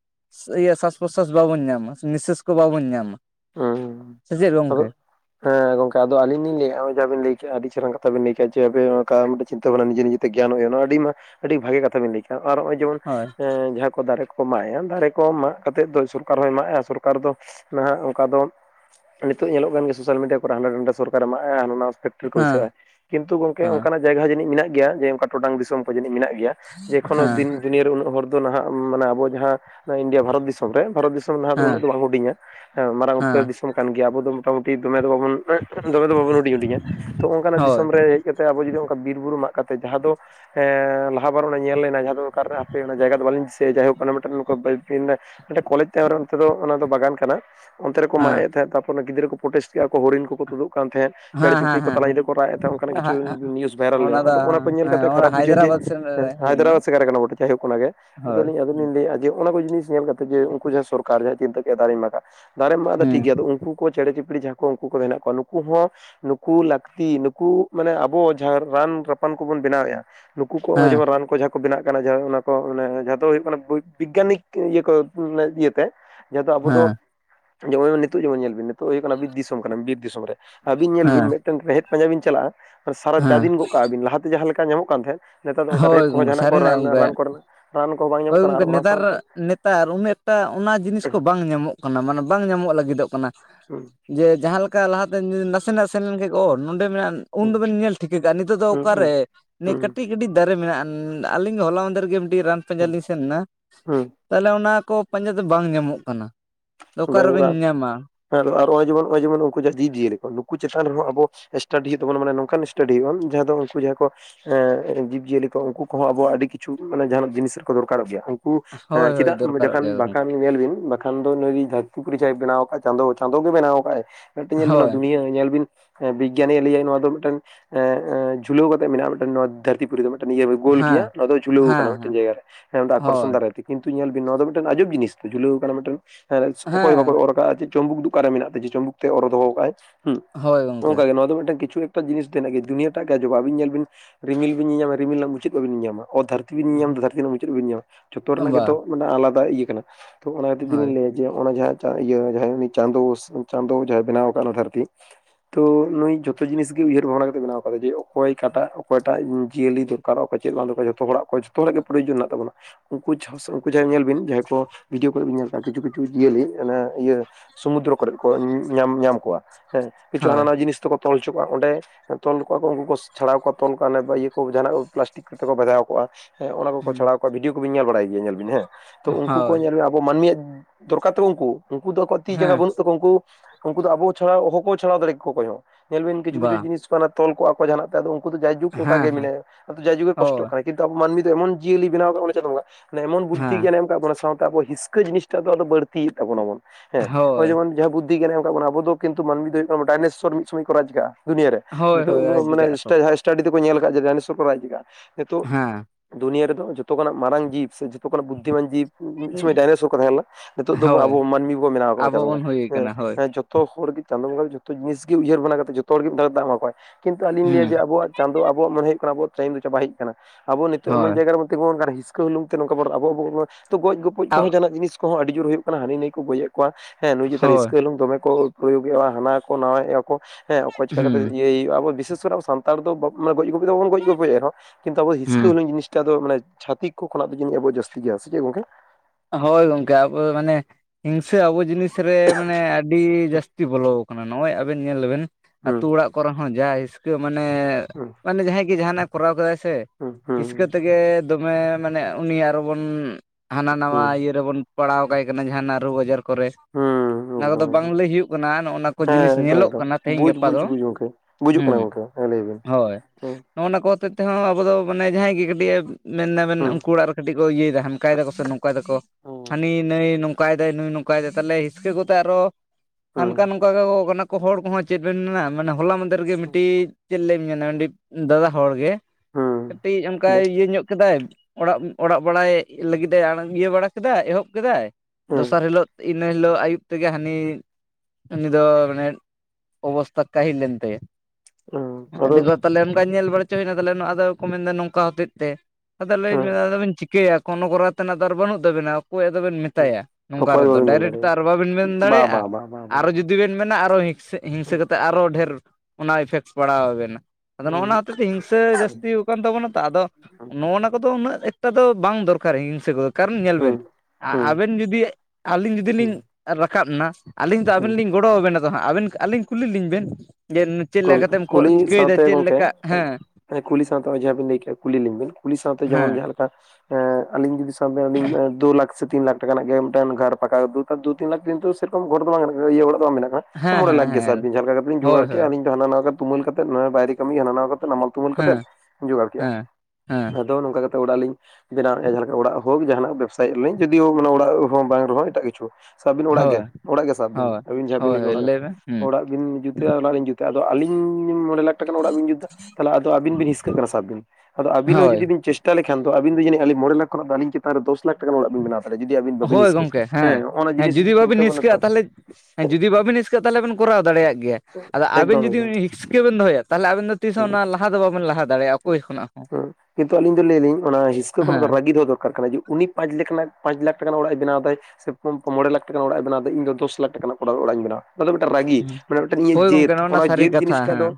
ᱤᱭᱟᱹ ᱥᱟᱥ ᱯᱨᱚᱥᱟᱥ ᱵᱟᱵᱚᱱ ᱧᱟᱢᱟ, ᱱᱤᱥᱟᱹᱥ ᱠᱚ ᱵᱟᱵᱚᱱ ᱧᱟᱢᱟ᱾ ᱦᱩᱸ ᱥᱮ ᱪᱮᱫ ᱟᱫᱚ ᱜᱚᱝᱠᱮ? ᱦᱮᱸ ᱜᱚᱝᱠᱮ ᱟᱫᱚ ᱟᱹᱞᱤᱧ ᱞᱤᱧ ᱞᱟᱹᱭᱮᱜᱼᱟ, ᱦᱚᱜᱼᱚᱭ ᱡᱟᱦᱟᱸ ᱵᱤᱱ ᱞᱟᱹᱭ ᱠᱮᱜ-ᱟ, ᱟᱹᱰᱤ ᱪᱮᱦᱨᱟ ᱠᱟᱛᱷᱟ ᱵᱤᱱ ᱞᱟᱹᱭ ᱠᱮᱜ-ᱟ, ᱡᱮ ᱚᱱᱠᱟ ᱢᱤᱫᱴᱟᱝ ᱪᱤᱱᱛᱟᱹ ᱵᱷᱟᱵᱱᱟ ᱱᱤᱡᱮ, ᱱᱤᱡᱮ ᱛᱮ ᱜᱮᱭᱟᱱ ᱦᱳᱭᱳᱜ, ᱱᱚᱣᱟ ᱟᱹᱰᱤ, ᱟᱹᱰᱤ ᱵᱷᱟᱜᱮ ᱠᱟᱛᱷᱟ ᱵᱤᱱ ᱞᱟᱹᱭ ᱠᱮᱫᱟ, ᱟᱨ ᱦᱚᱜᱼᱚᱭ ᱡᱮᱢᱚᱱ ᱦᱳᱭ ᱡᱟᱦᱟᱸ ᱠᱚ ᱫᱟᱨᱮ ᱠᱚ -ᱼ ᱢᱟᱜ ᱮ ᱫᱟᱨᱮ ᱠᱚ ᱢᱟᱜ ᱠᱟᱛᱮᱫ ᱫᱚ, ᱥᱚᱨᱠᱟᱨ ᱦᱚᱸᱭ ᱢᱟᱜ ᱮᱜᱟ ᱥᱚᱨᱠᱟᱨ ᱫᱚ ᱱᱟᱦᱟᱜ ᱚᱱᱠᱟ ᱫᱚ, ᱱᱤᱛᱚᱜ ᱧᱮᱞᱚᱜ ᱠᱟᱱ ᱜᱮᱭᱟ, ᱥᱳᱥᱟᱞ ᱢᱤᱰᱤᱭᱟ ᱠᱚᱨᱮ ᱦᱟᱸᱰᱮ ᱱᱟᱰᱮ ᱥᱚᱨᱠᱟᱨᱮ ᱢᱟᱜ ᱮᱜᱟᱴᱼᱟ, ᱦᱟᱱᱟ ᱱᱟᱣᱟ ᱯᱷᱮᱠᱴᱚᱨᱤ ᱠᱚ ᱦᱮᱸ ᱵᱟᱭᱥᱟᱹᱜᱼᱟ᱾ ᱠᱤᱱᱛᱩ ᱜᱚᱝᱠᱮ ᱦᱮᱸ ᱚᱱᱠᱟᱱᱟᱜ ᱡᱟᱭᱜᱟ ᱦᱚ, ᱡᱟᱹᱱᱤᱡ ᱢᱮᱱᱟᱜ ᱜᱮᱭᱟ, ᱡᱮ ᱚᱱᱠᱟ ᱴᱚᱰᱟᱝ ᱫᱤᱥᱚᱢ ᱠᱚ ᱡᱟᱹᱱᱤᱡ ᱢᱮᱱᱟᱜ ᱜᱮᱭᱟ᱾ ᱡᱮᱠᱳᱱᱳ ᱦᱮᱸ ᱫᱤᱱ ᱫᱩᱱᱤᱭᱟᱹ ᱨᱮ, ᱩᱱᱟᱹᱜ ᱦᱚᱲ ᱫᱚ ᱱᱟᱦᱟᱜ, ᱢᱟᱱᱮ ᱟᱵᱚ ᱡᱟᱦᱟᱸ ᱤᱱᱰᱤᱭᱟ ᱵᱷᱟᱨᱚᱛ ᱫᱤᱥᱚᱢ ᱨᱮ, ᱵᱷᱟᱨᱚᱛ ᱫᱤᱥᱚᱢ ᱨᱮ ᱱᱟᱦᱟᱜ ᱫᱚ, ᱦᱮᱸ ᱩᱱᱟᱹᱜ ᱫᱚ ᱵᱟᱝ ᱦᱩᱰᱤᱧᱟ, ᱢᱟᱨᱟᱝ ᱩᱛᱟᱹᱨ ᱦᱮᱸ ᱫᱤ ᱫᱤᱥᱚᱢ ᱠᱟᱱ ᱜᱮᱭᱟ, ᱟᱵᱚ ᱫᱚ ᱢᱚᱴᱟᱢᱩᱴᱤ ᱫᱚᱢᱮ ᱫᱚ ᱵᱟᱵᱚᱱ ᱫᱚᱢᱮ, ᱫᱚ ᱵᱟᱵᱚᱱ ᱦᱩᱰᱤᱧ, ᱦᱩᱰᱤᱧᱟ ᱛᱚ ᱚᱱᱠᱟᱱᱟᱜ ᱦᱳᱭ ᱫᱤᱥᱚᱢ ᱨᱮ ᱦᱮᱜ ᱠᱟᱛᱮ ᱟᱵᱚ ᱡᱩᱫᱤ ᱚᱱᱠᱟ ᱵᱤᱨ ᱵᱩᱨᱩ ᱢᱟᱜ ᱠᱟᱛᱮ ᱡᱟᱦᱟᱸ ᱫᱚᱼᱼ ᱮᱸ ᱞᱟᱦᱟ ᱵᱟᱨ ᱚᱱᱟ ᱧᱮᱞ ᱞᱮᱱᱟ, ᱡᱟᱦᱟᱸ ᱫᱚ ᱚᱠᱟᱨᱮ ᱦᱟᱯᱮ ᱚᱱᱟ ᱡᱟᱭᱜᱟ ᱫᱚ, ᱵᱟᱹᱞᱤᱧ ᱫᱤᱥᱟᱹᱭ ᱡᱟᱭᱦᱳᱠ ᱚᱱᱟ ᱢᱤᱫᱴᱟᱱ ᱱᱚᱝᱠᱟ ᱢᱤᱫᱴᱟᱱ ᱠᱚᱞᱮᱡᱽ ᱛᱟᱭᱚᱢ ᱨᱮ ᱚᱱᱛᱮ ᱫᱚ ᱚᱱᱟ ᱫᱚ ᱵᱟᱜᱟᱱ ᱠᱟᱱᱟ᱾ ᱚᱱᱛᱮ ᱨᱮᱠᱚ ᱦᱮᱸ ᱢᱟᱜ ᱮᱫ ᱛᱟᱸᱦᱮᱫ, ᱛᱟᱨᱯᱚᱨ ᱜᱤᱫᱽᱨᱟᱹ ᱠᱚ ᱯᱨᱚᱴᱮᱥᱴ ᱠᱮᱜ-ᱟ ᱟᱠᱚ ᱦᱚᱨᱤᱱ ᱠᱚᱠᱚ ᱛᱩᱫᱩᱜ ᱠᱟᱱ ᱛᱟᱸᱦᱮᱫ᱾ ᱪᱮᱬᱮ ᱦᱮᱸ ᱦᱮᱸ ᱪᱩᱯᱲᱤ ᱠᱚ ᱦᱮᱸ ᱛᱟᱞᱟ ᱧᱤᱫᱟᱹ ᱠᱚ ᱨᱟᱜ ᱮᱫ ᱛᱟᱦᱮᱸᱜ, ᱚᱱᱠᱟᱱᱟᱜ ᱠᱤᱪᱷᱩ ᱦᱮᱸ ᱱᱤᱭᱩᱥ ᱵᱷᱟᱭᱨᱟᱞ ᱞᱮᱱᱟ, ᱫᱚ ᱟᱫᱚ ᱚᱱᱟ ᱠᱚ ᱧᱮᱞ ᱦᱮᱸ ᱠᱟᱛᱮ ᱚᱱᱟ ᱠᱷᱟᱨᱟᱯ ᱵᱩᱡᱷᱟᱹᱜᱼᱟ ᱡᱮ ᱦᱟᱭᱫᱨᱟᱵᱟᱫᱽ ᱥᱮᱱ ᱨᱮ ᱦᱮᱸ ᱦᱩᱭ ᱞᱮᱱᱟ ᱦᱟᱭᱫᱨᱟᱵᱟᱫᱽ ᱥᱮᱠᱟᱨ ᱠᱟᱱᱟ ᱵᱚᱴᱮ ᱡᱟᱭᱦᱳᱠ ᱚᱱᱟ ᱜᱮ᱾ ᱦᱳᱭ ᱦᱮᱸ ᱟᱫᱚᱞᱤᱧ-ᱟ ᱡᱮ ᱚᱱᱟ ᱠᱚ ᱡᱤᱱᱤᱥ ᱧᱮᱞ ᱠᱟᱛᱮ ᱡᱮ ᱩᱱᱠᱩ ᱡᱟᱦᱟᱸ ᱥᱚᱨᱠᱟᱨ ᱡᱟᱦᱟᱸ ᱪᱤᱱᱛᱟᱹ ᱠᱼᱟ [unintelligible] ᱫᱟᱨᱮ ᱢᱟᱜᱟ ᱫᱟᱨᱮᱢ ᱮ ᱢᱟᱜᱫᱟ ᱴᱷᱤᱠ ᱦᱮᱸ ᱜᱮᱭᱟ᱾ ᱩᱱᱠᱩ ᱪᱮᱬᱮ ᱪᱤᱯᱲᱤ ᱡᱟᱸᱦᱟ ᱠᱚ ᱩᱱᱠᱩ ᱠᱚ ᱫᱚ ᱢᱮᱱᱟᱜ ᱠᱚᱣᱟ, ᱱᱩᱠᱩ ᱦᱚᱸ᱾ ᱱᱩᱠᱩ ᱞᱟᱹᱠᱛᱤ ᱱᱩᱠᱩ ᱢᱟᱱᱮ ᱟᱵᱚ ᱡᱟᱸᱦᱟ ᱨᱟᱱ ᱨᱟᱯᱟᱱ ᱠᱚᱵᱚᱱ ᱵᱮᱱᱟᱣᱮᱜᱼᱟ᱾ ᱱᱩᱠᱩ ᱠᱚ ᱡᱮᱢᱚᱱ ᱨᱟᱱ ᱠᱚ ᱡᱟᱸᱦᱟ᱾ ᱠᱚ ᱵᱮᱱᱟᱜ ᱠᱟᱱᱟ ᱡᱮ ᱚᱱᱟ ᱠᱚ ᱢᱟᱱᱮ ᱡᱟᱸᱦᱟ ᱫᱚ ᱦᱩᱭᱩᱜ ᱠᱟᱱᱟ ᱵᱤᱜᱽᱜᱟᱱᱤᱠ ᱤᱭᱟᱹ ᱠᱚ ᱤᱭᱟᱹᱛᱮ᱾ ᱡᱟᱦᱟᱸ ᱫᱚ ᱟᱵᱚ ᱫᱚ ᱦᱮᱸ ᱡᱮᱢᱚᱱ ᱱᱤᱛᱚᱜ ᱡᱮᱢᱚᱱ ᱧᱮᱞ ᱵᱤᱱ ᱱᱤᱛᱚᱜ ᱦᱩᱭᱩᱜ ᱠᱟᱱᱟ ᱵᱤᱨ ᱫᱤᱥᱚᱢ ᱠᱟᱱᱟ ᱵᱤᱨ ᱫᱤᱥᱚᱢ ᱨᱮ ᱟᱹᱵᱤᱱ ᱧᱮᱞ ᱵᱤᱱ ᱦᱮᱸ ᱢᱤᱫᱴᱟᱝ ᱨᱮᱸᱦᱮᱫ ᱯᱟᱸᱡᱟ ᱵᱤᱱ ᱪᱟᱞᱟᱜᱼᱟ, ᱥᱟᱨᱟ ᱡᱟ ᱦᱮᱸ ᱫᱤᱱ ᱜᱚᱜ ᱠᱟᱜᱼᱵᱤᱱ, ᱞᱟᱦᱟ ᱛᱮ ᱡᱟᱦᱟᱸ ᱞᱮᱠᱟ ᱧᱟᱢᱚᱜ ᱠᱟᱱ ᱛᱟᱦᱮᱸᱫ᱾ ᱱᱮᱛᱟᱨ ᱫᱚ ᱚᱱᱠᱟ ᱦᱳᱭ ᱨᱮᱸᱦᱮᱫ ᱠᱚ ᱦᱚᱸ ᱜᱚᱝᱠᱮ ᱡᱟᱦᱟᱸᱱᱟᱜ ᱠᱚ ᱥᱟᱹᱨᱤᱱᱟᱜ ᱨᱟᱱ ᱜᱚᱝᱠᱮ ᱨᱟᱱ ᱠᱚ ᱨᱮᱱᱟᱜ ᱨᱟᱱ ᱠᱚ ᱦᱚᱸ ᱵᱟᱝᱼᱼ ᱦᱳᱭ ᱜᱚᱝᱠᱮ ᱱᱮᱛᱟᱨ ᱱᱮᱛᱟᱨ ᱩᱱᱟᱹᱜ ᱮᱠᱴᱟ ᱚᱱᱟ ᱡᱤᱱᱤᱥ ᱠᱚ ᱵᱟᱝ ᱧᱟᱢᱚᱜ ᱠᱟᱱᱟ᱾ ᱢᱟᱱᱮ ᱵᱟᱝ ᱧᱟᱢᱚᱜ ᱞᱟᱹᱜᱤᱫᱚᱜ ᱠᱟᱱᱟ ᱦᱩᱸ ᱡᱮ ᱡᱟᱦᱟᱸ ᱞᱮᱠᱟ ᱞᱟᱦᱟ ᱛᱮ ᱱᱟᱥᱮ ᱱᱟᱥᱮ ᱞᱟᱹᱜᱤᱫ ᱚ ᱱᱸᱚᱰᱮ ᱢᱮᱱᱟ, ᱩᱱ ᱦᱩᱸ ᱫᱚ ᱵᱤᱱ ᱧᱮᱞ ᱴᱷᱤᱠ ᱠᱟᱜᱼᱟ, ᱱᱤᱛᱚᱜ ᱫᱚ ᱦᱩᱸ ᱚᱠᱟ ᱦᱩᱸ ᱨᱮ ᱱᱮ ᱦᱩᱸ ᱠᱟᱹᱴᱤᱡ᱾ [inaudible] ᱫᱟᱨᱮ ᱢᱮᱱᱟᱜᱼᱟ ᱟᱹᱞᱤᱧ ᱫᱚ ᱦᱚᱞᱟ ᱢᱟᱸᱫᱷᱮᱨ ᱜᱮ ᱢᱤᱫᱴᱤᱡ ᱨᱟᱱ ᱯᱟᱸᱡᱟ ᱦᱩᱸ ᱞᱤᱧ ᱥᱮᱱ ᱞᱮᱱᱟ᱾ ᱦᱩᱸ ᱛᱟᱦᱚᱞᱮ ᱚᱱᱟ ᱠᱚ ᱯᱟᱸᱡᱟ ᱛᱮ ᱵᱟᱝ ᱧᱟᱢᱚᱜ ᱠᱟᱱᱟ᱾ ᱚᱠᱟ ᱨᱮᱵᱮᱱ ᱰᱟᱝᱨᱟ ᱧᱟᱢᱟ ᱟᱨ ᱱᱚᱜᱼᱚᱭ ᱡᱮᱢᱚᱱ ᱱᱚᱜᱼᱚᱭ ᱡᱮᱢᱚᱱ ᱩᱱᱠᱩ ᱡᱤᱵᱽ ᱡᱤᱭᱟᱹᱞᱤ ᱠᱚ, ᱱᱩᱠᱩ ᱪᱮᱛᱟᱱ ᱨᱮ ᱦᱚᱸ ᱟᱵᱚ ᱮᱥᱴᱟᱰᱤ ᱦᱩᱭᱩᱜ ᱛᱟᱵᱚᱱ ᱢᱟᱱᱮ ᱱᱚᱝᱠᱟᱱ ᱥᱴᱟᱰᱤ ᱦᱩᱭᱩᱜᱼᱟ ᱡᱟᱸᱦᱟ ᱫᱚ ᱩᱱᱠᱩ ᱡᱟᱸᱦᱟ ᱠᱚ᱾ ᱮᱸ ᱡᱤᱵᱽ ᱡᱤᱭᱟᱹᱞᱤ ᱠᱚ ᱩᱱᱠᱩ ᱠᱚᱸᱦᱚᱸ ᱦᱮᱸ ᱡᱤᱵᱽᱡᱤᱭᱟᱹᱞᱤ ᱠᱚ ᱟᱵᱚᱣᱟᱜ ᱟᱹᱰᱤ ᱠᱤᱪᱷᱩ ᱢᱟᱱᱮ ᱡᱟᱦᱟᱸᱱᱟᱜ ᱡᱤᱱᱤᱥ ᱨᱮᱠᱚ ᱫᱚᱨᱠᱟᱨᱚᱜ ᱜᱮᱭᱟ᱾ ᱩᱸ, ᱦᱳᱭ ᱦᱳᱭ ᱪᱮᱫᱟᱜ ᱫᱚᱨᱠᱟᱨᱚᱜ ᱡᱟᱠᱷᱟᱱ ᱜᱮᱭᱟ ᱜᱚᱝᱠᱮ ᱵᱟᱠᱷᱟᱱ ᱧᱮᱞ ᱵᱤᱱ ᱵᱟᱠᱷᱟᱱ ᱫᱚ ᱱᱩ ᱯᱩᱠᱷᱨᱤ ᱪᱟᱭ ᱵᱮᱱᱟᱣ ᱟᱠᱟᱫᱼᱟ ᱪᱟᱸᱫᱚ ᱪᱟᱸᱫᱳ ᱜᱮ ᱵᱮᱱᱟᱣ ᱟᱠᱟᱫ ᱟᱭ ᱢᱤᱫᱴᱮᱱ ᱧᱮᱞ ᱵᱮᱱ ᱦᱳᱭ, ᱫᱩᱱᱤᱭᱟᱹ ᱧᱮᱞ ᱵᱤᱱ ᱵᱤᱜᱽᱜᱟᱱᱤ ᱮ ᱞᱟᱹᱭᱟᱭ ᱱᱚᱣᱟ ᱫᱚ ᱢᱤᱫᱴᱮᱱ ᱮᱸ ᱡᱷᱩᱞᱟᱹᱣ ᱠᱟᱛᱮᱜ ᱢᱮᱱᱟᱜᱼᱟ ᱢᱤᱫᱴᱟᱝ ᱫᱷᱟᱹᱨᱛᱤ ᱯᱩᱨᱤ ᱫᱚ ᱱᱤᱭᱟᱹ ᱜᱳᱞ ᱜᱮᱭᱟ ᱦᱮᱸ, ᱚᱱᱟ ᱫᱚ ᱡᱷᱩᱞᱟᱹᱣ ᱠᱟᱱᱟ ᱦᱮᱸ, ᱢᱤᱫᱴᱟᱝ ᱦᱮᱸ, ᱡᱟᱭᱜᱟ ᱨᱮ ᱟᱠᱚᱨᱥᱚᱱ ᱦᱳᱭ, ᱫᱟᱲᱮ ᱠᱤᱱᱛᱩ ᱧᱮᱞ ᱵᱤᱱ ᱱᱚᱣᱟ ᱫᱚ ᱢᱤᱫᱴᱮᱱ ᱟᱸᱡᱚᱵ ᱡᱤᱱᱤᱥ ᱡᱷᱩᱞᱟᱹᱣ ᱠᱟᱱᱟ ᱢᱤᱫᱴᱮᱱ ᱚᱠᱚᱭ ᱵᱟᱠᱚ ᱦᱮᱸ, ᱚᱨ ᱠᱟᱜᱼᱟ ᱪᱮᱜ ᱪᱚᱢᱵᱩᱠ ᱫᱚ ᱚᱠᱟᱨᱮ ᱢᱮᱱᱟᱜ ᱛᱟ ᱡᱮ ᱪᱩᱚᱢᱵᱩᱠ ᱛᱮ ᱚᱨᱚ ᱫᱚᱦᱚ ᱠᱟᱜ ᱟᱭ ᱦᱳᱭ ᱜᱚᱝᱠᱮ, ᱱᱚᱝᱠᱟ ᱜᱮ ᱱᱚᱣᱟ ᱫᱚ ᱢᱤᱫᱴᱟᱝ ᱠᱤᱪᱷᱩ ᱮᱠ ᱡᱤᱱᱤᱥ ᱛᱮᱱᱟᱜ ᱜᱮ ᱫᱩᱱᱤᱭᱟᱹ ᱴᱟᱜ ᱜᱮ ᱟᱡᱚᱵᱟ ᱟᱵᱤᱱ ᱧᱮᱞᱵᱤᱱ ᱨᱤᱢᱤᱞ ᱵᱤᱱ ᱧᱮᱞ ᱧᱟᱢᱟ ᱨᱤᱢᱤᱞ ᱨᱮᱱᱟᱜ ᱢᱩᱪᱩᱜ ᱵᱟ ᱵᱤᱱ ᱧᱮᱞ ᱧᱟᱢᱟ ᱛᱚ ᱫᱷᱟᱨᱛᱤ ᱧᱟᱢ ᱫᱟ ᱫᱷᱟᱨᱛᱤ ᱨᱮᱱᱟᱜ ᱢᱩᱪᱟᱹᱫ ᱵᱟᱵᱤᱱ ᱧᱟᱢ ᱡᱚᱛᱚ ᱨᱮᱱᱟᱜ ᱵᱟ, ᱜᱮᱛᱚ ᱟᱞᱟᱫᱟ ᱤᱭᱟᱹ ᱠᱟᱱᱟ ᱛᱚ ᱚᱱᱟ ᱠᱷᱟᱹᱤᱨ ᱛᱤᱧ ᱦᱳᱭ, ᱞᱟᱹᱭᱟ ᱡᱮ ᱚᱱᱟ ᱡᱟᱦᱟᱸ ᱤᱭᱟᱹ ᱡᱟᱦᱟᱸ ᱩᱱᱤ ᱪᱟᱸᱫᱳ ᱪᱟᱸᱫᱚ ᱡᱟᱦᱟᱸᱭ ᱵᱮᱱᱟᱣ ᱠᱟᱜᱼᱟ ᱚᱱᱟ ᱫᱷᱟᱹᱨᱛᱤ ᱛᱚ ᱱᱩᱭ ᱡᱷᱚᱛᱚ ᱡᱤᱱᱤᱥ ᱜᱮ ᱩᱭᱦᱟᱹᱨ ᱵᱷᱟᱲᱟ ᱠᱟᱛᱮ ᱵᱮᱱᱟᱣ ᱟᱠᱟᱫᱟ ᱡᱮ ᱚᱠᱚᱭ ᱠᱟᱴᱟᱜ ᱚᱠᱚᱭᱴᱟᱜ ᱡᱤᱭᱟᱹᱞᱤ ᱫᱚᱨᱠᱟᱨ ᱚᱠᱟᱴᱟᱜ ᱚᱠᱚᱭ ᱪᱮᱜ ᱵᱟᱝ ᱫᱚ ᱡᱚᱛᱚ ᱦᱚᱲᱟᱜ ᱡᱚᱛᱚ ᱦᱚᱲᱟᱜ ᱜᱮ ᱯᱨᱚᱭᱳᱡᱚᱱ ᱢᱮᱱᱟᱜ ᱛᱟᱵᱚᱱᱟ ᱩᱱᱠᱩᱡ ᱩᱱᱠᱩ ᱡᱟᱦᱟᱭ ᱧᱮᱞ ᱵᱤᱱ ᱡᱟᱦᱟᱸᱭ ᱠᱚ ᱵᱷᱤᱰᱤᱭᱳ ᱠᱚᱵᱤᱱ ᱧᱮᱞᱫᱟ ᱠᱤᱪᱷᱩ ᱠᱤᱪᱷᱩ ᱪᱩ ᱡᱤᱭᱟᱹᱞᱤ ᱤᱭᱟᱹ ᱥᱩᱢᱩᱫᱫᱨᱚ ᱠᱚᱨᱮ ᱠᱚ ᱧᱟᱢ ᱧᱟᱢ ᱠᱚᱣᱟ ᱦᱮᱸ ᱠᱤᱪᱷᱩ ᱦᱟᱱᱟ ᱦᱳᱭ, ᱱᱟᱣᱟ ᱡᱤᱱᱤᱥ ᱛᱮᱠᱚ ᱛᱚᱞ ᱦᱚᱪᱚ ᱠᱚᱣᱟ ᱚᱸᱰᱮ ᱛᱚᱞ ᱠᱚᱣᱟ ᱠᱚ ᱩᱱᱠᱩ ᱠᱚ ᱪᱷᱟᱲᱟᱣ ᱠᱚᱣᱟ ᱛᱚᱞ ᱠᱚᱣᱟ ᱤᱭᱟᱹ ᱠᱚ ᱡᱟᱦᱟᱱᱟᱜ ᱠᱚ ᱯᱞᱟᱥᱴᱤᱠ ᱛᱮᱠᱚ ᱵᱟᱡᱷᱟᱣ ᱠᱚᱜᱼᱟ ᱦᱮᱸ ᱚᱱᱟ ᱠᱚᱠᱚ ᱦᱩᱸ, ᱪᱷᱟᱲᱟᱣ ᱠᱚᱣᱟ ᱵᱷᱤᱰᱤᱭᱳ ᱠᱚᱵᱤᱱ ᱧᱮᱞ ᱵᱟᱲᱟᱭ ᱜᱮᱭᱟ ᱧᱮᱞ ᱵᱤᱱ ᱦᱮᱸ ᱛᱚ ᱩᱱᱠᱩ ᱠᱚ ᱦᱳᱭ, ᱧᱮᱞ ᱟᱵᱚ ᱢᱟᱹᱱᱢᱤᱭᱟᱜ ᱫᱚᱨᱠᱟᱨ ᱛᱟᱠᱚ ᱩᱱᱠᱩ ᱩᱱᱠᱩ ᱫᱚ ᱟᱠᱚᱣᱟᱜ ᱛᱤ ᱡᱟᱸᱜᱟ ᱦᱮᱸ, ᱵᱟᱹᱱᱩᱜ ᱛᱟᱠᱚ ᱩᱱᱠᱩ ᱩᱱᱠᱩ ᱫᱚ ᱟᱵᱚ ᱪᱷᱟᱲᱟ ᱦᱚᱸᱠᱚ ᱪᱷᱟᱲᱟᱣ ᱫᱟᱲᱮᱭᱠᱚᱣᱟ ᱚᱠᱚᱭ ᱦᱚᱸ ᱧᱮᱞᱵᱤᱱ ᱠᱤᱪᱷᱩ ᱠᱤᱪᱷᱩ ᱵᱟ, ᱡᱤᱱᱤᱥ ᱠᱟᱱᱟ ᱛᱚᱞ ᱠᱚᱣᱟᱜ ᱡᱟᱦᱟᱱᱟᱜ ᱛᱟ ᱟᱫᱚ ᱩᱱᱠᱩ ᱫᱚ ᱡᱟᱭᱡᱩᱜᱽ ᱚᱱᱠᱟ ᱦᱮᱸ, ᱜᱮ ᱦᱮᱸ, ᱢᱮᱱᱟᱭᱟ ᱟᱫᱚ ᱡᱟᱭᱡᱩᱜᱽ ᱜᱮ ᱠᱚᱥᱴᱚᱜ ᱦᱳᱭ, ᱠᱟᱱᱟ ᱠᱤᱱᱛᱩ ᱟᱵᱚ ᱢᱟᱹᱱᱢᱤ ᱫᱚ ᱮᱢᱚᱱ ᱡᱤᱭᱟᱹᱞᱤ ᱵᱮᱱᱟᱣ ᱠᱟᱜ ᱵᱚᱱᱟᱣ ᱪᱟᱸᱫᱚ ᱵᱚᱸᱜᱟ ᱮᱢᱚᱱ ᱵᱩᱫᱽᱫᱷᱤ ᱦᱮᱸ, ᱜᱮᱭᱟᱱ ᱮ ᱮᱢᱟᱠᱟᱫ ᱵᱚᱱᱟ ᱥᱟᱶᱛᱮ ᱟᱵᱚ ᱦᱤᱸᱥᱠᱟᱹ ᱡᱤᱱᱤᱥ ᱴᱟᱜ ᱫᱚ ᱟᱫᱚ ᱵᱟᱹᱲᱛᱤᱜ ᱛᱟᱵᱚ ᱟᱵᱚᱱ ᱦᱮᱸ ᱦᱳᱭ, [unintelligible] ᱟᱵᱚ ᱫᱚ ᱠᱤᱱᱛᱩ ᱢᱟᱹᱱᱢᱤ ᱫᱚ ᱦᱩᱭᱩᱜ ᱠᱟᱱᱟ ᱰᱟᱭᱱᱮᱥᱥᱚᱨ ᱢᱤᱫ ᱥᱚᱢᱚᱭ ᱠᱚ ᱨᱟᱡᱽᱠᱟᱜᱼᱟ ᱫᱩᱱᱤᱭᱟᱹᱨᱮ ᱦᱳᱭ, ᱦᱳᱭ, ᱨᱟᱡᱽ ᱱᱤᱛᱚᱜ ᱢᱟᱱᱮ ᱠᱟᱜᱼᱟ ᱠᱚ, ᱤᱥᱴᱟ ᱤᱥᱴᱟᱰᱤ ᱛᱮᱠᱚ ᱧᱮᱞ ᱠᱟᱜᱼᱟ ᱰᱟᱭᱱᱮᱥᱥᱚᱨ ᱠᱚ ᱨᱟᱡᱽ ᱠᱟᱜᱼᱟ ᱱᱤᱛᱚᱜ ᱦᱮᱸ, ᱫᱩᱱᱤᱭᱟᱹ ᱨᱮᱫᱚ ᱡᱚᱛᱷᱚ ᱠᱷᱚᱱᱟᱜ ᱢᱟᱨᱟᱝ ᱡᱤᱵᱽ ᱥᱮ ᱡᱚᱛᱷᱚ ᱠᱷᱚᱱᱟᱜ ᱵᱩᱫᱷᱤᱢᱟᱱ ᱡᱤᱵᱽ ᱢᱤᱫ ᱥᱚᱢᱚᱭ ᱰᱟᱭᱱᱮᱥᱥᱚᱨ ᱠᱚ ᱛᱟᱦᱮᱸ ᱞᱮᱱᱟ ᱱᱤᱛᱚᱜ ᱫᱚᱵᱚᱱ ᱦᱳᱭ, ᱟᱵᱚ ᱢᱟᱹᱱᱢᱤ ᱵᱚᱱ ᱵᱮᱱᱟᱣ ᱠᱟᱱᱟ ᱟᱵᱚ ᱪᱟᱸᱫᱚ ᱵᱚᱸᱜᱟ ᱵᱚᱱ ᱦᱩᱭ ᱠᱟᱱᱟ ᱦᱳᱭ, ᱦᱮᱸ ᱡᱚᱛᱚ ᱦᱚᱲ ᱜᱮ ᱪᱟᱸᱫᱳ ᱵᱚᱸᱜᱟ ᱡᱚᱛᱚ ᱡᱤᱱᱤᱥ ᱜᱮ ᱩᱭᱦᱟᱹᱨ ᱵᱮᱱᱟ ᱠᱟᱛᱮ ᱡᱚᱛᱚ ᱦᱚᱲ ᱜᱮ ᱢᱤᱫ ᱫᱷᱟᱣ ᱫᱟᱜ ᱮᱢᱟ ᱠᱚᱣᱟ ᱠᱤᱱᱛᱩ ᱟᱞᱤᱧ ᱞᱟᱹᱭᱟ ᱦᱩᱸ, ᱡᱮ ᱟᱵᱚᱣᱟᱜ ᱪᱟᱸᱫᱳ ᱟᱵᱚᱣᱟᱜ ᱢᱚᱱᱦᱮ ᱦᱩᱭᱩᱜ ᱠᱟᱱᱟ ᱟᱵᱣᱟᱜ ᱴᱟᱭᱤᱢ ᱫᱚ ᱪᱟᱵᱟ ᱦᱩᱡ ᱠᱟᱱᱟ ᱟᱵᱚ ᱱᱤᱛᱚᱜ ᱮᱢ ᱦᱳᱭ, ᱡᱟᱭᱜᱟ ᱨᱮᱜᱚᱱ ᱛᱤᱜᱟ ᱠᱟᱱᱟ ᱦᱤᱥ ᱠᱟᱹᱦᱩᱞᱩᱝ ᱛᱮ ᱱᱚᱝᱠᱟ ᱟᱵᱚᱨ ᱟᱵᱚ ᱟᱵᱚ ᱛᱚ ᱜᱚᱡ ᱜᱚᱯᱚᱡ ᱟᱵ ᱠᱚᱦᱚ ᱡᱟᱦᱟᱱᱟᱜ ᱡᱤᱱᱤᱥ ᱠᱚᱦᱚᱸ ᱟᱹᱰᱤ ᱡᱳᱨ ᱦᱩᱭᱩᱜ ᱠᱟᱱᱟ ᱦᱟᱱᱤ ᱱᱟᱹᱭ ᱠᱚ ᱜᱚᱡᱮᱫ ᱠᱟᱱᱟ ᱦᱮᱸ ᱱᱩᱭ ᱪᱮᱛᱟᱱ ᱦᱳᱭ, ᱦᱤᱸᱥᱠᱟᱹ ᱦᱩᱞᱩᱝ ᱫᱚᱢᱮ ᱠᱚ ᱯᱨᱚᱭᱳᱜ ᱮᱼᱟ ᱦᱟᱱᱟ ᱠᱚ ᱱᱟᱣᱟᱮᱜᱼᱟ ᱠᱚ ᱦᱮᱸ ᱚᱠᱚᱭ ᱪᱤᱠᱟ ᱠᱟᱛᱮ ᱦᱩᱸ, ᱤᱭᱟᱹᱭ ᱦᱩᱭᱩᱜᱼᱟ ᱟᱵ ᱵᱤᱥᱮᱥᱠᱚᱨᱮ ᱟᱵᱚ ᱥᱟᱱᱛᱟᱲ ᱫᱚ ᱜᱚᱡ ᱜᱩᱯᱤ ᱫᱚ ᱵᱟᱵᱚᱱ ᱜᱚᱡ ᱜᱚᱯᱚᱭᱚᱜ ᱟᱨᱦᱚᱸ ᱠᱤᱱᱛᱩ ᱟᱵᱚ ᱦᱤᱸᱥᱠᱟᱹ ᱦᱩᱸ᱾ ᱦᱩᱞᱩᱝ ᱡᱤᱱᱤᱥ ᱴᱟᱫᱚ ᱢᱟᱱᱮ ᱪᱷᱟᱤᱠ ᱠᱚ ᱠᱷᱚᱱᱟᱜ ᱫᱚ ᱟᱵᱚᱣᱟᱜ ᱡᱤᱱᱤᱥ ᱜᱮᱭᱟ ᱪᱮᱫ ᱜᱚᱝᱠᱮ ᱦᱳᱭ ᱜᱚᱝᱠᱮ ᱟᱵᱚ ᱢᱟᱱᱮ ᱦᱤᱝᱥᱟᱹ ᱟᱵᱚ ᱡᱤᱱᱤᱥ ᱨᱮ ᱢᱟᱱᱮ ᱟᱹᱰᱤ ᱡᱟᱹᱥᱛᱤ ᱵᱚᱞᱚ ᱟᱠᱟᱱᱟ ᱱᱚᱜᱼᱚᱭ ᱟᱵᱮᱱ ᱧᱮᱞᱵᱮᱱ ᱟᱛᱳ ᱦᱩᱸ ᱚᱲᱟᱜ ᱠᱚᱨᱮ ᱦᱚᱸᱡᱟ ᱦᱤᱥᱠᱟᱹ ᱢᱟᱱᱮ ᱦᱩᱸ ᱢᱟᱱᱮ ᱡᱟᱦᱟᱸᱭ ᱜᱮ ᱡᱟᱦᱟᱱᱟᱜ ᱠᱚᱨᱟᱣ ᱠᱟᱫᱟᱭ ᱥᱮ ᱦᱩᱸ ᱦᱤᱥᱠᱟᱹ ᱦᱩᱸ ᱛᱮᱜᱮ ᱫᱚᱢᱮ ᱢᱟᱱᱮ ᱩᱱᱤ ᱟᱨᱚᱵᱚᱱ ᱱᱟᱣᱟ ᱤᱭᱟᱹ ᱨᱮᱵᱚᱱ ᱯᱟᱲᱟᱣ ᱠᱟᱭ ᱠᱟᱱᱟ ᱡᱟᱦᱟᱱᱟᱜ ᱨᱳᱜᱽ ᱟᱡᱟᱨ ᱠᱚᱨᱮ ᱦᱩᱸ ᱦᱩᱸ ᱚᱱᱟ ᱠᱚᱫᱚ ᱮᱠᱫᱚᱢ ᱵᱟᱝ ᱮᱠᱫᱚᱢ ᱞᱟᱹᱭ ᱦᱩᱭᱩᱜ ᱠᱟᱱᱟ ᱱᱚᱜᱼ ᱱᱚᱣᱟ ᱠᱚ ᱡᱤᱱᱤᱥ ᱦᱮᱸ ᱮᱠᱫᱚᱢ ᱧᱮᱞᱚᱜ ᱮᱠᱫᱚᱢ ᱠᱟᱱᱟ ᱛᱮᱦᱤᱧ ᱵᱩᱡᱽ ᱜᱟᱯᱟ ᱵᱩᱡᱽ ᱫᱚ ᱵᱩᱡᱽ ᱜᱚᱝᱠᱮ ᱵᱩᱡᱩᱜ ᱦᱮᱸ ᱠᱟᱱᱟ ᱜᱚᱝᱠᱮ ᱦᱮᱸ ᱞᱟᱹᱭ ᱵᱤᱱ ᱦᱳᱭ ᱦᱩᱸ ᱱᱚᱜ ᱱᱚᱣᱟ ᱠᱚ ᱦᱚᱛᱮᱡ ᱛᱮᱦᱚᱸ ᱟᱵᱚ ᱫᱚ ᱢᱟᱱᱮ ᱡᱟᱦᱟᱸᱭ ᱜᱮ ᱠᱟᱹᱴᱤᱡ ᱮ ᱢᱮᱱᱫᱟᱵᱮᱱ ᱦᱩᱸ ᱩᱱᱠᱩ ᱚᱲᱟᱜ ᱨᱮ ᱠᱟᱹᱴᱤᱡ ᱠᱚ ᱤᱭᱟᱹᱮᱫᱟ ᱦᱟᱱᱠᱟᱭ ᱫᱟᱠᱚ ᱥᱮ ᱱᱚᱝᱠᱟᱭ ᱫᱟᱠᱚ ᱦᱩᱸ ᱦᱟᱹᱱᱤ ᱱᱟᱹᱭ ᱱᱚᱝᱠᱟᱭ ᱫᱟᱭ ᱱᱩᱭ ᱱᱚᱝᱠᱟᱭ ᱫᱟᱭ ᱛᱟᱞᱮ ᱡᱤᱸᱥᱠᱟᱹ ᱠᱚᱛᱮ ᱟᱨᱚ ᱦᱩᱸ ᱦᱟᱱᱠᱟ ᱱᱚᱝᱠᱟ ᱜᱮ ᱠᱟᱱᱟ ᱠᱚ ᱦᱚᱲ ᱠᱚᱦᱚᱸ ᱪᱮᱫ ᱵᱮᱱ ᱢᱮᱱᱟ ᱢᱟᱱᱮ ᱦᱚᱞᱟ ᱨᱮᱜᱮ ᱢᱤᱫᱴᱤᱡ ᱪᱮᱫ ᱞᱮᱢ ᱢᱮᱱᱟ ᱢᱤᱫᱴᱤᱡ ᱫᱟᱫᱟ ᱦᱚᱲ ᱜᱮ ᱦᱩᱸ ᱠᱟᱹᱴᱤᱡ ᱚᱱᱠᱟᱭ ᱵᱮᱥ ᱤᱭᱟᱹ ᱧᱚᱜ ᱠᱮᱫᱟᱭ ᱚᱲᱟᱜ ᱚᱲᱟᱜ ᱵᱟᱲᱟᱭ ᱞᱟᱹᱜᱤᱫ ᱮ ᱟᱲᱟᱝ ᱤᱭᱟᱹ ᱵᱟᱲᱟ ᱠᱮᱫᱟ ᱮᱦᱚᱵ ᱠᱮᱫᱟᱭ ᱦᱩᱸ ᱫᱚᱥᱟᱨ ᱦᱤᱞᱳᱜ ᱤᱱᱟᱹ ᱦᱤᱞᱳᱜ ᱟᱹᱭᱩᱵ ᱛᱮᱜᱮ ᱦᱟᱹᱱᱤ ᱩᱱᱤ ᱫᱚ ᱢᱟᱱᱮ ᱚᱵᱚᱥᱛᱛᱟ ᱠᱟᱹᱦᱤᱞ ᱞᱮᱱ ᱛᱟᱭᱟ ᱦᱩᱸ ᱟᱫᱚ ᱟᱹᱰᱤᱞᱚ ᱛᱟᱦᱞᱮ ᱚᱱᱠᱟ ᱧᱮᱞ ᱵᱟᱲᱟ ᱦᱚᱪᱚᱭᱱᱟ ᱛᱟᱦᱮ ᱟᱫᱚ ᱠᱚ ᱢᱮᱱᱫᱟ ᱱᱚᱝᱠᱟ ᱦᱚᱛᱮᱡ ᱛᱮ ᱟᱫᱚ ᱞᱟᱹᱭ ᱢᱮ ᱦᱩᱸ ᱟᱫᱚᱵᱤᱱ ᱪᱤᱠᱟᱹᱭᱟ ᱠᱚᱱᱳ ᱠᱚᱨᱟᱣ ᱛᱮᱱᱟᱜ ᱫᱚ ᱟᱨ ᱵᱟᱹᱱᱩᱜ ᱛᱟᱵᱮᱱᱟ ᱚᱠᱚᱭ ᱟᱫᱚ ᱵᱮᱱ ᱦᱩᱸ ᱢᱮᱛᱟᱭᱟ ᱱᱚᱝᱠᱟ ᱚᱠᱚᱭ ᱨᱮᱫᱚ ᱵᱟᱵᱤᱱ ᱢᱮᱱ ᱰᱟᱭᱨᱮᱠᱴ ᱛᱚ ᱫᱟᱲᱮᱭᱟᱹᱧᱟ ᱟᱨ ᱵᱟᱵᱮᱱ ᱢᱮᱱ ᱵᱟ ᱫᱟᱲᱮᱭᱟᱜᱼᱟ ᱵᱟ ᱵᱟ ᱵᱟ ᱵᱟ ᱟᱨᱚ ᱵᱟ ᱡᱩᱫᱤ ᱵᱮᱱ ᱟᱨ ᱦᱤᱝᱥᱟᱹ ᱦᱩᱸ ᱠᱟᱛᱮ ᱟᱨᱚ ᱰᱷᱮᱨ ᱚᱱᱟ ᱤᱯᱷᱮᱠᱴ ᱯᱟᱲᱟᱣ ᱟᱵᱮᱱᱟ ᱟᱫᱚ ᱱᱚᱜᱱᱟ ᱦᱩᱸ ᱦᱚᱛᱮᱛᱮ ᱦᱤᱝᱥᱟᱹ ᱡᱟᱥᱛᱤ ᱛᱟᱵᱚᱱᱟ ᱛᱚ ᱟᱫᱚ ᱱᱚᱜᱼᱟ ᱠᱚᱫᱚ ᱩᱱᱟᱹᱜ ᱮᱠᱴᱟ ᱫᱚ ᱵᱟᱝ ᱫᱚᱨᱠᱟᱨ ᱦᱤᱸᱥᱠᱟᱹ ᱠᱟᱫᱚ ᱠᱟᱨᱚᱱ ᱧᱮᱞ ᱵᱮᱱ ᱦᱩᱸ ᱦᱩᱸ ᱟᱵᱮᱱ ᱡᱩᱫᱤ ᱟᱹᱞᱤᱧ ᱡᱩᱫᱤ ᱞᱤᱧ ᱦᱩᱸ ᱨᱟᱠᱟᱵᱱᱟ ᱟᱹᱞᱤᱧ ᱫᱚ ᱦᱩᱸ ᱟᱵᱮᱱ ᱞᱤᱧ- ᱜᱚᱲᱚ ᱟᱵᱮᱱᱟ ᱛᱚ ᱦᱟᱸᱜ ᱟᱵᱮᱱ ᱟᱹᱞᱤᱧ ᱠᱩᱞᱤ ᱞᱤᱧ ᱵᱮᱱ ᱡᱮ- ᱪᱮᱫ ᱠᱩᱞ ᱞᱮᱠᱟ ᱠᱟᱛᱮᱢ ᱠᱩᱞᱤ ᱪᱤᱠᱟᱹᱭᱮᱫᱟ ᱥᱟᱶᱛᱮ ᱪᱮᱫ ᱜᱚᱝᱠᱮ ᱞᱮᱠᱟ ᱦᱮᱸ ᱦᱮ ᱠᱩᱞᱤ ᱥᱟᱶᱛᱮ ᱱᱚᱜᱼᱚᱭ ᱡᱟᱸᱦᱟ ᱵᱤᱱ ᱞᱟᱹᱭ ᱠᱮᱜᱼᱟ ᱠᱩᱞᱤᱧᱤᱱᱴ ᱵᱤᱱ ᱠᱩᱞᱤ ᱥᱟᱶᱛᱮ ᱡᱮᱢᱚᱱ ᱦᱮᱸ ᱡᱟᱦᱟᱸ ᱞᱮᱠᱟ- ᱟᱹᱞᱤᱧ ᱡᱩᱫᱤ ᱥᱟᱵ ᱵᱮᱱ ᱟᱹᱞᱤᱧ ᱫᱩ ᱞᱟᱠᱷ- ᱥᱮ ᱛᱤᱱ ᱞᱟᱠᱷ ᱴᱟᱠᱟᱱᱟᱜ ᱜᱮ ᱢᱤᱫᱴᱟᱝ ᱜᱟᱨ ᱯᱟᱠᱟ ᱫᱩ ᱞᱟᱠᱷ ᱫᱩ ᱛᱤᱱ ᱞᱟᱠᱷ ᱠᱤᱱᱛᱩ ᱥᱮᱨᱚᱠᱚᱢ ᱜᱚᱲ ᱫᱚ ᱵᱟᱝ ᱤᱭᱟᱹ ᱚᱲᱟᱜ ᱫᱚ ᱵᱟᱝ ᱵᱮᱱᱟᱜ ᱦᱮᱸ ᱠᱟᱱᱟ ᱢᱚᱬᱮ ᱦᱮᱸ ᱞᱟᱠᱷ ᱜᱮ ᱦᱮᱸ ᱥᱟᱵ ᱵᱤᱱ ᱡᱟᱦᱟᱸ ᱞᱮᱠᱟ ᱠᱟᱛᱮᱞᱤᱧ ᱦᱳᱭ ᱡᱳᱜᱟᱲ ᱠᱮᱜᱼᱟ ᱦᱳᱭ ᱟᱹᱞᱤᱧ ᱫᱚ ᱦᱟᱱᱟ ᱱᱟᱣᱟ ᱛᱩᱢᱟᱹᱞ ᱠᱟᱛᱮᱜ ᱵᱟᱭᱨᱮ ᱠᱟᱹᱢᱤ ᱦᱟᱱᱟ ᱱᱟᱣᱟ ᱠᱟᱛᱮ ᱱᱟᱢᱟᱞ- ᱛᱩᱢᱟᱹᱞ ᱠᱟᱛᱮᱫ ᱦᱮᱸ ᱡᱚᱜᱟᱲ ᱠᱮᱜᱼᱟ ᱦᱮᱸ ᱦᱮᱸ ᱟᱫᱚ ᱱᱚᱝᱠᱟ ᱠᱟᱛᱮ ᱚᱲᱟᱜ ᱞᱤᱧ- ᱵᱮᱱᱟᱣᱼᱟ ᱡᱟᱦᱟᱸ ᱞᱮᱠᱟ ᱚᱲᱟᱜ ᱦᱳᱠ ᱡᱟᱦᱟᱱᱟᱜ ᱵᱮᱵᱽᱥᱟᱭᱮᱫ ᱞᱤᱧ ᱡᱳᱫᱤᱭᱳ ᱚᱲᱟᱜ ᱦᱚᱸ ᱵᱟᱝ ᱨᱮᱦᱚᱸ ᱮᱴᱟᱜ ᱠᱤᱪᱷᱩ ᱥᱟᱵ ᱵᱤᱱ ᱚᱲᱟᱜ ᱜᱮ ᱦᱳᱭ ᱚᱲᱟᱜ ᱜᱮ ᱥᱟᱵ ᱵᱤᱱ ᱦᱳᱭ ᱟᱹᱵᱤᱱ ᱡᱟᱦᱟᱸᱵᱤᱱ ᱦᱳᱭ ᱞᱟᱹᱭ ᱠᱮᱜᱼᱟ ᱦᱳᱭ ᱚᱲᱟᱜ ᱠᱟᱛᱷᱟ ᱢᱮ ᱦᱩᱸ ᱚᱲᱟᱜ ᱵᱤᱱ ᱡᱩᱛᱮᱜᱼᱟ ᱚᱲᱟᱜ ᱞᱤᱧ ᱡᱩᱛ- ᱠᱮᱜᱼᱟ ᱟᱫᱚ ᱟᱞᱤᱧ ᱢᱚᱲᱮ ᱞᱟᱠᱷ- ᱴᱟᱠᱟ ᱨᱮᱱᱟᱜ ᱚᱲᱟᱜ ᱵᱤᱱ ᱡᱩᱫᱟ ᱛᱟᱦᱚᱞᱮ ᱟᱫᱚ ᱟᱹᱵᱤᱱ ᱵᱤᱱ ᱦᱤᱸᱥᱠᱟᱹᱜ ᱠᱟᱱᱟ ᱥᱟᱵ ᱵᱤᱱ ᱟᱫᱚ ᱟᱵᱤᱱ ᱦᱚᱸ ᱦᱳᱭ ᱡᱩᱫᱤ ᱵᱤᱱ ᱪᱮᱥᱴᱟ- ᱛᱟᱦᱞᱮ ᱠᱷᱟᱱ ᱫᱚ ᱟᱹᱵᱤᱱ ᱫᱚ ᱡᱟᱹᱱᱤᱡ ᱟᱹᱞᱤᱧ ᱢᱚᱬᱮ ᱞᱟᱠᱷ ᱠᱷᱚᱱᱟᱜ ᱫᱚ ᱟᱹᱞᱤᱧ ᱪᱮ- ᱛᱟᱦᱞᱮ ᱫᱚᱥ ᱞᱟᱠᱷ ᱴᱟᱠᱟ ᱨᱮᱱᱟᱜ ᱚᱲᱟᱜ ᱵᱤᱱ ᱵᱮᱱᱟᱣ ᱫᱟᱲᱭᱟᱜᱼᱟ ᱡᱩᱫᱤ ᱟᱹᱵᱤᱱ ᱵᱟᱹᱵᱤᱱ ᱦᱳᱭ ᱦᱸᱥᱠᱟᱹᱜᱼᱟ ᱜᱚᱢᱠᱮ ᱦᱮᱸ ᱱᱚᱜᱼᱚ ᱱᱚᱣᱟ ᱦᱮᱸ ᱡᱤᱱᱤᱥ ᱡᱩᱫᱤ ᱪᱤᱱᱛᱟᱹ ᱵᱟᱵᱤᱱ ᱵᱟᱵᱱᱟ ᱦᱤᱥᱠᱟᱹᱜᱼᱟ ᱛᱚ- ᱛᱟᱦᱚᱞᱮ ᱡᱩᱫᱤ ᱵᱟᱵᱤᱱ ᱦᱤᱥᱠᱟᱹᱜᱼᱟ ᱛᱟᱦᱚᱞᱮ ᱵᱮᱱ ᱠᱚᱨᱟᱣ ᱫᱟᱲᱮᱭᱟᱜ ᱜᱮᱭᱟ ᱟᱫᱚ ᱟᱵᱮᱱ ᱮᱠᱫᱚᱢ ᱡᱩᱫᱤ ᱮᱠᱫᱚᱢ ᱵᱤᱱ ᱦᱤ- ᱦᱤᱥᱠᱟᱹ ᱵᱤᱱ ᱫᱚᱦᱚᱭᱟ ᱛᱟᱦᱚᱞᱮ ᱟᱹᱵᱤᱱ ᱛᱤᱥ ᱦᱚᱸ ᱦᱩᱸ ᱚᱱᱟ ᱞᱟᱦᱟ ᱫᱚ ᱵᱟᱵᱮᱱ ᱞᱟᱦᱟ- ᱫᱟᱲᱮᱭᱟᱜᱼᱟ ᱚᱠᱚᱭ ᱠᱷᱚᱱᱟᱜ ᱦᱚᱸ ᱦᱮᱸ ᱠᱤᱱᱛᱩ ᱟᱹᱞᱤᱧ ᱫᱚ ᱞᱟᱹᱭ ᱞᱤᱧ ᱚᱱᱟ ᱦᱤᱥᱠᱟᱹ ᱠᱷᱚᱱᱟᱜ ᱫᱚ ᱦᱮᱸ ᱨᱟᱹᱜᱤ ᱫᱚ ᱫᱚᱨᱠᱟᱨ ᱠᱟᱱᱟ ᱡ- ᱩᱱᱤ ᱯᱟᱸᱪ ᱞᱮᱠ ᱞᱟᱠᱷ ᱯᱟᱸᱪ ᱞᱟᱠᱷ ᱴᱟᱠᱟ ᱨᱮᱱᱟᱜ ᱚᱲᱟᱜ ᱮ ᱵᱮᱱᱟᱣ ᱫᱟᱭ ᱥᱮ ᱯᱳᱢ ᱯ ᱢᱚᱬᱮ ᱞᱟᱠᱷ ᱴᱟᱠᱟ ᱨᱮᱱᱟᱜ ᱚᱲᱟᱜᱼᱮ ᱵᱮᱱᱟᱣᱫᱟ ᱤᱧ ᱫᱚ ᱫᱚᱥ ᱞᱟᱠᱷ ᱴᱟᱠᱟ ᱨᱮᱱᱟᱜ ᱚᱲᱟᱜ ᱤᱧ ᱵᱮᱱᱟᱣᱟ ᱚᱱᱟ ᱫᱚ ᱢᱤᱫᱴᱟᱝ ᱨᱟᱹᱜᱤ ᱢᱟᱱᱮ ᱢᱤᱫᱴᱮᱱ ᱤᱧᱟᱹᱜ ᱦᱳᱭ ᱡᱮᱫ ᱜᱚᱢᱠᱮ ᱱᱚᱜᱼᱚ ᱱᱟ ᱚᱱᱟ ᱥᱟᱹᱨᱤ ᱡᱮᱫ ᱠᱟᱛᱷᱟ ᱡᱤᱱᱤᱥᱴᱟᱜ ᱫᱚ ᱦᱮᱸ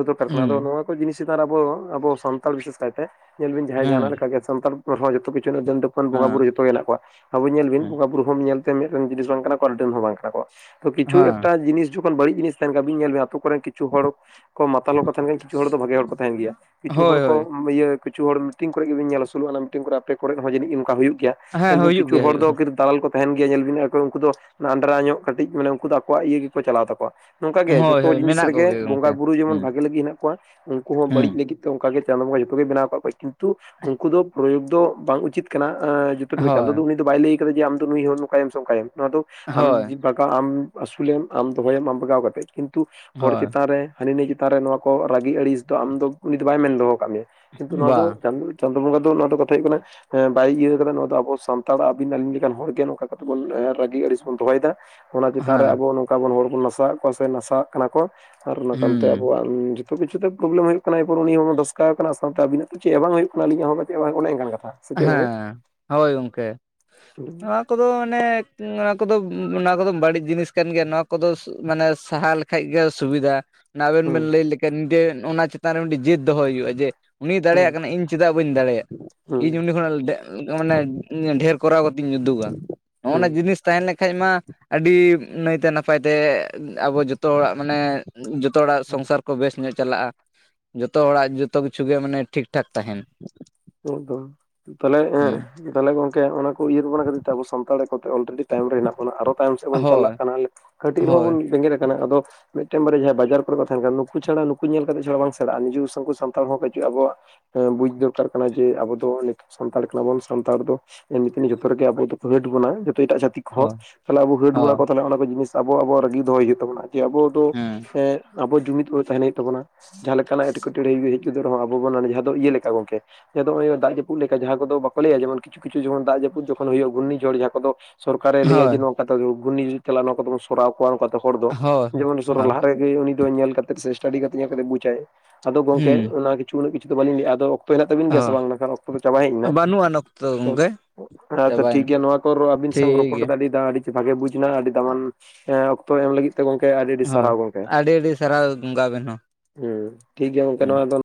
ᱫᱚᱨᱠᱟᱨ ᱠᱟᱱᱟ ᱟᱫᱚ ᱦᱩᱸ ᱱᱚᱣᱟ- ᱡᱤᱱᱤᱥ ᱪᱮᱛᱟᱱᱨᱮ ᱟᱵᱚ ᱟᱵᱚ ᱥᱟᱱᱛᱟᱲ ᱵᱤᱥᱮᱥ ᱠᱟᱭᱛᱮ ᱧᱮᱞ ᱵᱤᱱ ᱡᱟᱦᱟᱸᱭ ᱡᱟᱦᱟᱱᱟᱜ ᱦᱮᱸ ᱞᱮᱠᱟᱜᱮ ᱥᱟᱱᱛᱟᱲ ᱦᱚᱸ ᱡᱚᱛᱚ ᱠᱤᱪᱷ- ᱪᱷᱩ ᱦᱮᱱᱟᱜᱼᱟ ᱰᱟᱹᱱ ᱰᱟᱹᱯᱟᱹᱱ ᱵᱚᱸᱜᱟ ᱵᱩᱨᱩ ᱦᱮᱸ ᱡᱚᱛᱚ ᱜᱮ ᱢᱮᱱᱟᱜ ᱠᱚᱣᱟ ᱟᱵᱚ ᱧᱮᱞ ᱵᱤᱱ ᱵᱚᱸᱜᱟ ᱵᱩᱨᱩ ᱦᱚᱸᱢ ᱧᱮᱞ- ᱢᱤᱫᱴᱮᱱ ᱡᱤᱱᱤᱥ ᱵᱟᱝ ᱠᱟᱱᱟ ᱠᱚ ᱟᱨ ᱰᱟᱹᱱ ᱦᱚᱸ ᱵᱟᱝ ᱠᱟᱱᱟ ᱠᱚ ᱠᱤᱪᱩ ᱦᱮᱸ ᱮᱠᱴᱟ ᱡᱤᱱᱤᱥ - ᱠᱤᱷᱩᱜᱟᱱ ᱵᱟᱹᱲᱤᱡ ᱡᱤᱱᱤᱥ ᱛᱟᱦᱮᱱ ᱠᱟᱱᱟ ᱟᱹᱰᱤᱱ ᱧᱮᱞ ᱵᱮᱱ ᱟᱛᱳ ᱠᱚᱨᱮᱱ ᱠᱤᱪᱷᱩ ᱦᱚᱲ ᱠᱚ ᱢᱟᱛᱟᱞ ᱦᱚᱠᱚ ᱛᱟᱦᱮᱱ ᱜᱤᱭᱟ ᱠᱤᱪᱷᱩ ᱦᱚᱲ ᱫᱚ ᱵᱷᱟᱜᱮ ᱦᱚ ᱠᱚ ᱛᱟᱦᱮᱱ ᱜᱮᱭᱟ ᱠᱤᱪᱷᱩ ᱦᱚᱲ ᱦᱳᱭ ᱦᱳᱭ ᱠᱚ ᱤᱭᱟᱹ ᱠᱤᱪᱷᱩ ᱦᱚᱲ ᱢᱤᱴᱤᱝ ᱠᱚᱨᱮ ᱜᱮᱵᱮᱱ ᱧᱮᱞᱟ ᱥᱳᱞᱳ ᱟᱱᱟ ᱢᱤᱴᱤᱝ ᱠᱚᱨᱮ ᱟᱯᱮ ᱠᱚᱨᱮ ᱦᱚᱸ ᱡᱟᱹᱱᱤᱡ ᱚᱱᱠᱟ ᱦᱩᱭᱩᱜ ᱜᱮᱭᱟ ᱦᱮᱸ ᱧᱮᱞ ᱵᱤᱱ ᱦᱩᱭᱩᱜ ᱠᱤᱪᱷᱩ ᱜᱮᱭᱟ ᱦᱩᱭᱩᱜ ᱦᱚᱲ ᱜᱮᱭᱟ ᱫᱚ ᱫᱟᱞᱟᱞ ᱠᱚ ᱛᱟᱦᱮᱱ ᱜᱮᱭᱟ ᱧᱮᱞ ᱵᱤᱱ ᱟᱫᱚ ᱩᱱᱠᱩ ᱫᱚ ᱟᱸᱰᱨᱟ ᱧᱚᱜ ᱠᱟᱹᱴᱤᱡ ᱢᱟᱱᱮ ᱩᱱᱠᱩ ᱫᱚ ᱟᱠᱚᱣᱟᱜ ᱤᱭᱟᱹ ᱜᱮᱠᱚ ᱪᱟᱞᱟᱣ ᱛᱟᱠᱚᱣᱟ ᱱᱚᱝᱠᱟ ᱜᱮ ᱦᱳᱭ ᱡᱷᱚᱛᱚ ᱦᱳᱭ ᱡᱤᱱᱤᱥ ᱢᱮᱱᱟᱜ ᱨᱮᱜᱮ ᱠᱚᱜᱮ ᱜᱚᱝᱠᱮ ᱵᱚᱸᱜᱟ ᱵᱩᱨᱩ ᱡᱮᱢᱚᱱ ᱦᱩᱸ ᱵᱷᱟᱜᱮ ᱞᱟᱹᱜᱤᱫ ᱦᱮᱱᱟᱜ ᱠᱚᱣᱟ ᱩᱱᱠᱩ ᱦᱚᱸ ᱦᱩᱸ ᱵᱟᱹᱲᱤᱡ ᱞᱟᱹᱜᱤᱫ- ᱛᱚ ᱚᱱᱠᱟ ᱜᱮ ᱪᱟᱸᱫᱳ ᱵᱚᱸᱜᱟ ᱡᱚᱛᱚ ᱜᱮ ᱵᱮᱱᱟᱣ ᱟᱠᱟᱫ ᱠᱚᱣᱟ ᱠᱤᱱᱛᱩ ᱩᱱᱠᱩ ᱫᱚ ᱯᱨᱚᱭᱳᱜ ᱫᱚ ᱵᱟᱝ ᱩᱪᱤᱛ ᱠᱟᱱᱟ [unintelligible] ᱪᱟᱸᱫᱳ ᱦᱳᱭ ᱫᱚ ᱩᱱᱤ ᱫᱚ ᱵᱟᱭ ᱞᱟᱹᱭ ᱟᱠᱟᱫᱟ ᱡᱮ ᱟᱢ ᱫᱚ ᱱᱩᱭ ᱦᱚᱲ ᱱᱚᱝᱠᱟᱭᱮᱢ ᱥᱮ ᱚᱝᱠᱟᱭᱮᱢ ᱱᱚᱣᱟ ᱫᱚ ᱦᱳᱭ ᱟᱢ ᱡᱩ- [unintelligible] ᱟᱢ ᱟᱹᱥᱩᱞᱮᱢ ᱟᱢ ᱫᱚᱦᱚᱭᱮᱢ ᱟᱢ ᱵᱟᱜᱟᱣ ᱠᱟᱛᱮᱫ ᱠᱤᱱᱛᱩ ᱦᱚᱲ ᱦᱳᱭ ᱪᱮᱛᱟᱱ ᱨᱮ- ᱦᱟᱹᱱᱤ ᱱᱟᱹᱭ ᱪᱮᱛᱟᱱ ᱨᱮ ᱱᱚᱣᱟ ᱠᱚ ᱨᱟᱹᱜᱤ ᱟᱹᱲᱤᱥ ᱫᱚ ᱟᱢ ᱫᱚ ᱩᱱᱤ ᱫᱚ ᱵᱟᱭ ᱢᱮᱱ ᱫᱚᱦᱚ ᱟᱠᱟᱫ ᱢᱮᱭᱟ ᱠᱤᱱᱛᱩ ᱱᱚᱣᱟ ᱵᱟ ᱫᱚ ᱪᱟᱸᱫᱳ ᱵᱚᱸᱜᱟ ᱫᱚ ᱱᱚᱣᱟ ᱫᱚ ᱠᱟᱛᱷᱟ ᱦᱩᱭᱩᱜ ᱠᱟᱱᱟ ᱦᱮᱸ ᱵᱟᱭ ᱤᱭᱟᱹ ᱟᱠᱟᱫᱟ ᱱᱚᱣᱟ ᱫᱚ ᱟᱵᱚ ᱥᱟᱱᱛᱟᱲ ᱟᱹᱵᱤᱱ ᱟᱹᱞᱤᱧ ᱞᱮᱠᱟᱱ ᱦᱚᱲᱜᱮ ᱱᱚᱝᱠᱟ ᱠᱟᱛᱮᱜ ᱵᱚᱱ ᱨᱟᱹᱜᱤ ᱟᱹᱲᱤᱥ ᱵᱚᱱ ᱫᱚᱦᱚᱭᱮᱫᱟ ᱚᱱᱟ ᱪᱮᱛᱟᱱ ᱨᱮ ᱦᱮᱸ ᱟᱵᱚ ᱱᱚᱝᱠᱟ ᱵᱚᱱ ᱦᱚᱲ ᱵᱚᱱ ᱱᱟᱥᱟᱣᱮᱫ ᱠᱚᱣᱟ ᱥᱮ ᱱᱟᱥᱟᱜ ᱠᱟᱱᱟ ᱠᱚ ᱟᱨ ᱚᱱᱟ ᱠᱟᱱᱛᱮ ᱦᱩᱸ ᱟᱵᱚᱣᱟᱜ- ᱡᱚᱛᱚ ᱠᱤᱪᱷᱩ ᱛᱮ ᱯᱨᱚᱵᱞᱮᱢ ᱦᱩᱭᱩᱜ ᱠᱟᱱᱟ ᱮᱯᱚᱨ ᱩᱱᱤ ᱦᱚᱸ ᱵᱚᱱ ᱫᱚᱥᱠᱟᱣ ᱟᱠᱟᱱᱟ ᱥᱟᱶᱛᱮ ᱟᱹᱵᱤᱱᱟᱜ ᱫᱚ ᱪᱮᱫ ᱦᱚ ᱵᱟᱝ ᱦᱩᱭᱩᱜ ᱠᱟᱱᱟ ᱟᱞᱤᱧᱟᱜ ᱦᱚᱸ ᱪᱮᱫ ᱵᱟᱝ ᱚᱱᱮ ᱚᱱᱠᱟᱱ ᱠᱟᱛᱷᱟ ᱥᱮ ᱪᱮᱫ ᱜᱚᱝᱠᱮ ᱦᱮᱸ ᱦᱳᱭ ᱜᱚᱢᱠᱮ ᱦᱩᱸ ᱱᱚ- ᱠᱚᱫᱚ ᱢᱟᱱᱮ ᱱᱚᱣᱟ ᱠᱚᱫᱚ ᱱᱚᱣᱟ ᱠᱚᱫᱚ ᱵᱟᱹᱲᱤᱡ ᱡᱤᱱᱤᱥ ᱠᱟᱱ ᱜᱮᱭᱟ ᱱᱚᱣᱟ ᱠᱚᱫᱚ ᱢᱟᱱᱮ ᱥᱟᱦᱟ ᱞᱮ ᱠᱷᱟᱡ ᱜᱮ ᱥᱩᱵᱤᱫᱷᱟ ᱟᱵᱮᱱ ᱦᱩᱸ ᱵᱮᱱ ᱞᱟᱹᱭ ᱞᱮᱠᱷᱟᱱ ᱡᱮ ᱚᱱᱟ ᱪᱮᱛᱟᱱ ᱨᱮ ᱢᱤᱫᱴᱮᱱ ᱡᱤᱫ ᱫᱚᱦᱚ ᱦᱩᱭᱩᱜᱼᱟ ᱡᱮ ᱩᱱᱤᱭ ᱫᱟᱲᱮᱭᱟᱜ ᱦᱩᱸ ᱠᱟᱱᱟᱭ ᱤᱧ ᱪᱮᱫᱟᱜ- ᱵᱟᱹᱧ ᱫᱟᱲᱮᱭᱟᱜ ᱤᱧ ᱦᱩᱸ ᱩᱱᱤ ᱠᱷᱚᱱᱟᱜ ᱢᱟᱱᱮ ᱰᱷᱮᱨ ᱠᱚᱨᱟᱣ ᱠᱟᱛᱮ ᱤᱧ ᱩᱫᱩᱜᱟ ᱱᱚᱜᱼᱚ ᱦᱩᱸ ᱱᱚᱣᱟ ᱡᱤᱱᱤᱥ ᱛᱟᱦᱮᱸ ᱞᱮᱠᱷᱟᱡ ᱢᱟ ᱟᱹᱰᱤ ᱱᱟᱭᱛᱮ ᱱᱟᱯᱟᱭᱛᱮ ᱟᱵᱚ ᱡᱚᱛᱚ ᱦᱚᱲᱟᱜ ᱢᱟᱱᱮ ᱡᱚᱛᱚ ᱦᱚᱲᱟᱜ ᱦᱩᱸ ᱥᱚᱝᱥᱟᱨ ᱠᱚ ᱵᱮᱥ ᱧᱚᱜ ᱪᱟᱞᱟᱜᱼᱟ ᱡᱚᱛᱚ ᱦᱚᱲᱟᱜ ᱡᱚᱛᱚ ᱠᱤᱪᱷᱩ ᱜᱮ ᱢᱟᱱᱮ ᱴᱷᱤᱠ ᱴᱷᱟᱠ ᱛᱟᱦᱮᱱᱟ ᱱᱤᱛ ᱫᱚ ᱛᱟᱦᱞᱮ, ᱦᱮᱸ ᱛᱟᱦᱞᱮ ᱜᱚᱝᱠᱮ ᱚᱱᱟ ᱠᱚ ᱩᱭᱦᱟᱹᱨ ᱵᱷᱟᱵᱽᱱᱟ ᱠᱷᱟᱹᱛᱤᱨ ᱛᱮ ᱟᱵᱚ ᱥᱟᱱᱛᱟᱲ ᱜᱮᱠᱚ ᱚᱞᱨᱮᱰᱤ ᱛᱟᱭᱚᱢ ᱨᱮ ᱦᱮᱱᱟᱜ ᱵᱚᱱᱟ ᱟᱨᱚ ᱛᱟᱭᱚᱢ ᱥᱮᱫ ᱵᱚᱱ ᱦᱳᱭ ᱪᱟᱞᱟᱜ ᱠᱟᱱᱟ ᱠᱟᱹᱴᱤᱡ ᱨᱮᱦᱚᱸ ᱦᱳᱭ ᱵᱚᱱ ᱵᱮᱸᱜᱮᱫ ᱟᱠᱟᱱᱟ ᱟᱫᱚ ᱢᱤᱫᱴᱟᱝ ᱵᱟᱨᱭᱟ ᱡᱟᱦᱟᱸᱭ ᱵᱟᱡᱟᱨ ᱠᱚᱨᱮ ᱠᱚ ᱛᱟᱦᱮᱱ ᱠᱟᱱᱟ ᱱᱩᱠᱩ ᱪᱷᱟᱲᱟ ᱱᱩᱠᱩ ᱧᱮᱞ ᱠᱟᱛᱮᱫ ᱪᱷᱟᱲᱟ ᱵᱟᱝ ᱥᱮᱲᱟᱜᱼᱟ ᱱᱤᱡᱮᱥᱥᱚ ᱥᱟᱱᱛᱟᱲ ᱦᱚᱸ ᱯᱟᱪᱮᱫ ᱟᱵᱚᱣᱟᱜ ᱦᱮᱸ ᱵᱩᱡ ᱫᱚᱨᱠᱟᱨ ᱠᱟᱱᱟ ᱡᱮ ᱟᱵᱚ ᱫᱚ ᱱᱤᱛᱚᱜ ᱥᱟᱱᱛᱟᱲ ᱠᱟᱱᱟᱵᱚᱱ ᱥᱟᱱᱛᱟᱲ ᱫᱚ ᱮᱢᱱᱤᱛᱮ ᱡᱚᱛᱚ ᱨᱮᱜᱮ ᱟᱵᱚ ᱫᱚᱠᱚ ᱦᱮᱰ ᱵᱚᱱᱟ ᱡᱚᱛᱚ ᱮᱴᱟᱜ ᱡᱟᱹᱛᱤ ᱦᱳᱭ ᱛᱟᱦᱚᱞᱮ ᱟᱵᱚ ᱦᱮᱴ ᱵᱚᱱᱟ ᱦᱳᱭ ᱠᱚ ᱛᱟᱦᱚᱞᱮ ᱚᱱᱟ ᱠᱚ ᱡᱤᱱᱤᱥ ᱟᱵᱚ ᱟᱵᱚᱣᱟᱜ ᱨᱟᱹᱜᱤ ᱫᱚᱦᱚᱭ ᱦᱩᱭᱩᱜ ᱛᱟᱵᱱᱟ ᱡᱮ ᱟᱵᱚ ᱫᱚ ᱦᱮᱸ ᱟᱵᱚ ᱡᱩᱢᱤᱫ ᱠᱚᱜᱱᱛᱟᱦᱮᱱ ᱦᱩᱭᱩᱜ ᱛᱟᱵᱚᱱᱟ ᱡᱟᱦᱟᱸ ᱞᱮᱠᱟᱱᱟᱜ ᱮᱴᱠᱮᱴᱚᱬᱮ ᱦᱮᱡ ᱜᱚᱫᱚᱜ ᱨᱮᱦᱚᱸ ᱟᱵᱚ ᱵᱚᱱ ᱡᱟᱦᱟᱸ ᱫᱚ ᱤᱭᱟᱹ ᱞᱮᱠᱟ ᱜᱚᱝᱠᱮ ᱪᱮᱫᱚᱜ ᱦᱳᱭᱳᱜ-ᱟ ᱫᱟᱜ ᱡᱟᱹᱯᱩᱫ ᱞᱮᱠᱟ ᱡᱟᱦᱟᱸ ᱠᱚᱫᱚ ᱵᱟᱠᱚ ᱞᱟᱹᱭᱟ ᱡᱮᱢᱚᱱ ᱠᱤᱪᱷᱩ ᱠᱤᱪᱷᱩ ᱡᱮᱢᱚᱱ ᱫᱟᱜ ᱡᱟᱹᱯᱩᱫ ᱡᱚᱠᱷᱚᱱ ᱦᱩᱭᱩᱜ-ᱟ ᱜᱷᱩᱨᱱᱤ ᱡᱷᱚᱲ ᱡᱟᱦᱟᱸ ᱠᱚᱫᱚ ᱥᱚᱨᱠᱟᱨᱮ ᱞᱟᱹᱭᱟ ᱦᱳᱭ ᱡᱮ ᱱᱚᱝᱠᱟᱛᱮ ᱜᱷᱩᱨᱱᱤ ᱡᱷᱚᱲ ᱪᱟᱞᱟᱜ-ᱟ ᱱᱚᱝᱠᱟᱛᱮᱵᱚᱱ ᱥᱚᱨᱟᱣ ᱠᱚᱣᱟ ᱱᱚᱝᱠᱟ ᱛᱮ ᱦᱚᱲ ᱫᱚ ᱦᱳᱭ ᱡᱮᱢᱚᱱ ᱥᱚᱨᱟᱣ ᱦᱳᱭ ᱞᱟᱦᱟᱨᱮ ᱩᱱᱤ ᱫᱚ ᱧᱮᱞ ᱠᱟᱛᱮᱫ ᱥᱮ ᱥᱴᱟᱰᱤ ᱠᱟᱛᱮ ᱧᱮᱞ ᱠᱟᱛᱮ ᱵᱩᱡᱟᱭ ᱟᱫᱚ ᱜᱚᱝᱢᱠᱮ ᱦᱩᱸ ᱠᱤᱪᱷᱩ ᱩᱱᱟᱹᱜ ᱠᱤᱪᱷᱩ ᱫᱚ ᱵᱟᱹᱞᱤᱧ ᱞᱟᱹᱭ ᱮᱫᱟ ᱟᱫᱚ ᱚᱠᱛᱚ ᱢᱮᱱᱟᱜ ᱛᱟᱵᱤᱱ ᱜᱮᱭᱟ ᱥᱮ ᱦᱳᱭ ᱵᱟᱝ ᱵᱟᱝᱠᱷᱟᱱ ᱚᱠᱛᱚ ᱫᱚ ᱪᱟᱵᱟ ᱦᱮᱡ ᱮᱱᱟ ᱵᱟᱹᱱᱩᱜ ᱟᱱ ᱚᱠᱛᱚ ᱜᱚᱝᱠᱮ ᱦᱮᱸᱛᱚ ᱪᱟᱵᱟᱭᱮᱱᱟ ᱴᱷᱤᱠᱜᱮᱭᱟ ᱱᱚᱣᱟ ᱠᱚ ᱟᱹᱵᱤᱱ ᱥᱟᱶ ᱴᱷᱤᱠ ᱨᱚᱯᱚᱲ ᱜᱮᱭᱟ ᱠᱟᱛᱮ ᱟᱰᱤ ᱟᱹᱰᱤ ᱵᱷᱟᱜᱮ ᱵᱩᱡᱽ ᱮᱱᱟ ᱟᱹᱰᱤ ᱫᱟᱢᱟᱱ ᱮ ᱚᱠᱛᱚ ᱮᱢ ᱞᱟᱹᱜᱤᱫ ᱛᱮ ᱜᱚᱢᱠᱮ ᱟᱹᱰᱤ ᱟᱹᱰᱤ ᱦᱳᱭ ᱥᱟᱨᱦᱟᱣ ᱜᱚᱢᱠᱮ ᱟᱹᱰᱤ ᱟᱹᱰᱤ ᱥᱟᱨᱦᱟᱣ ᱜᱚᱝᱠᱮ ᱟᱵᱮᱱ ᱦᱚᱸ ᱦᱮᱸ ᱴᱷᱤᱠ ᱜᱮᱭᱟ ᱜᱚᱝᱠᱮ ᱦᱮᱸ ᱱᱚᱣᱟ ᱫᱚ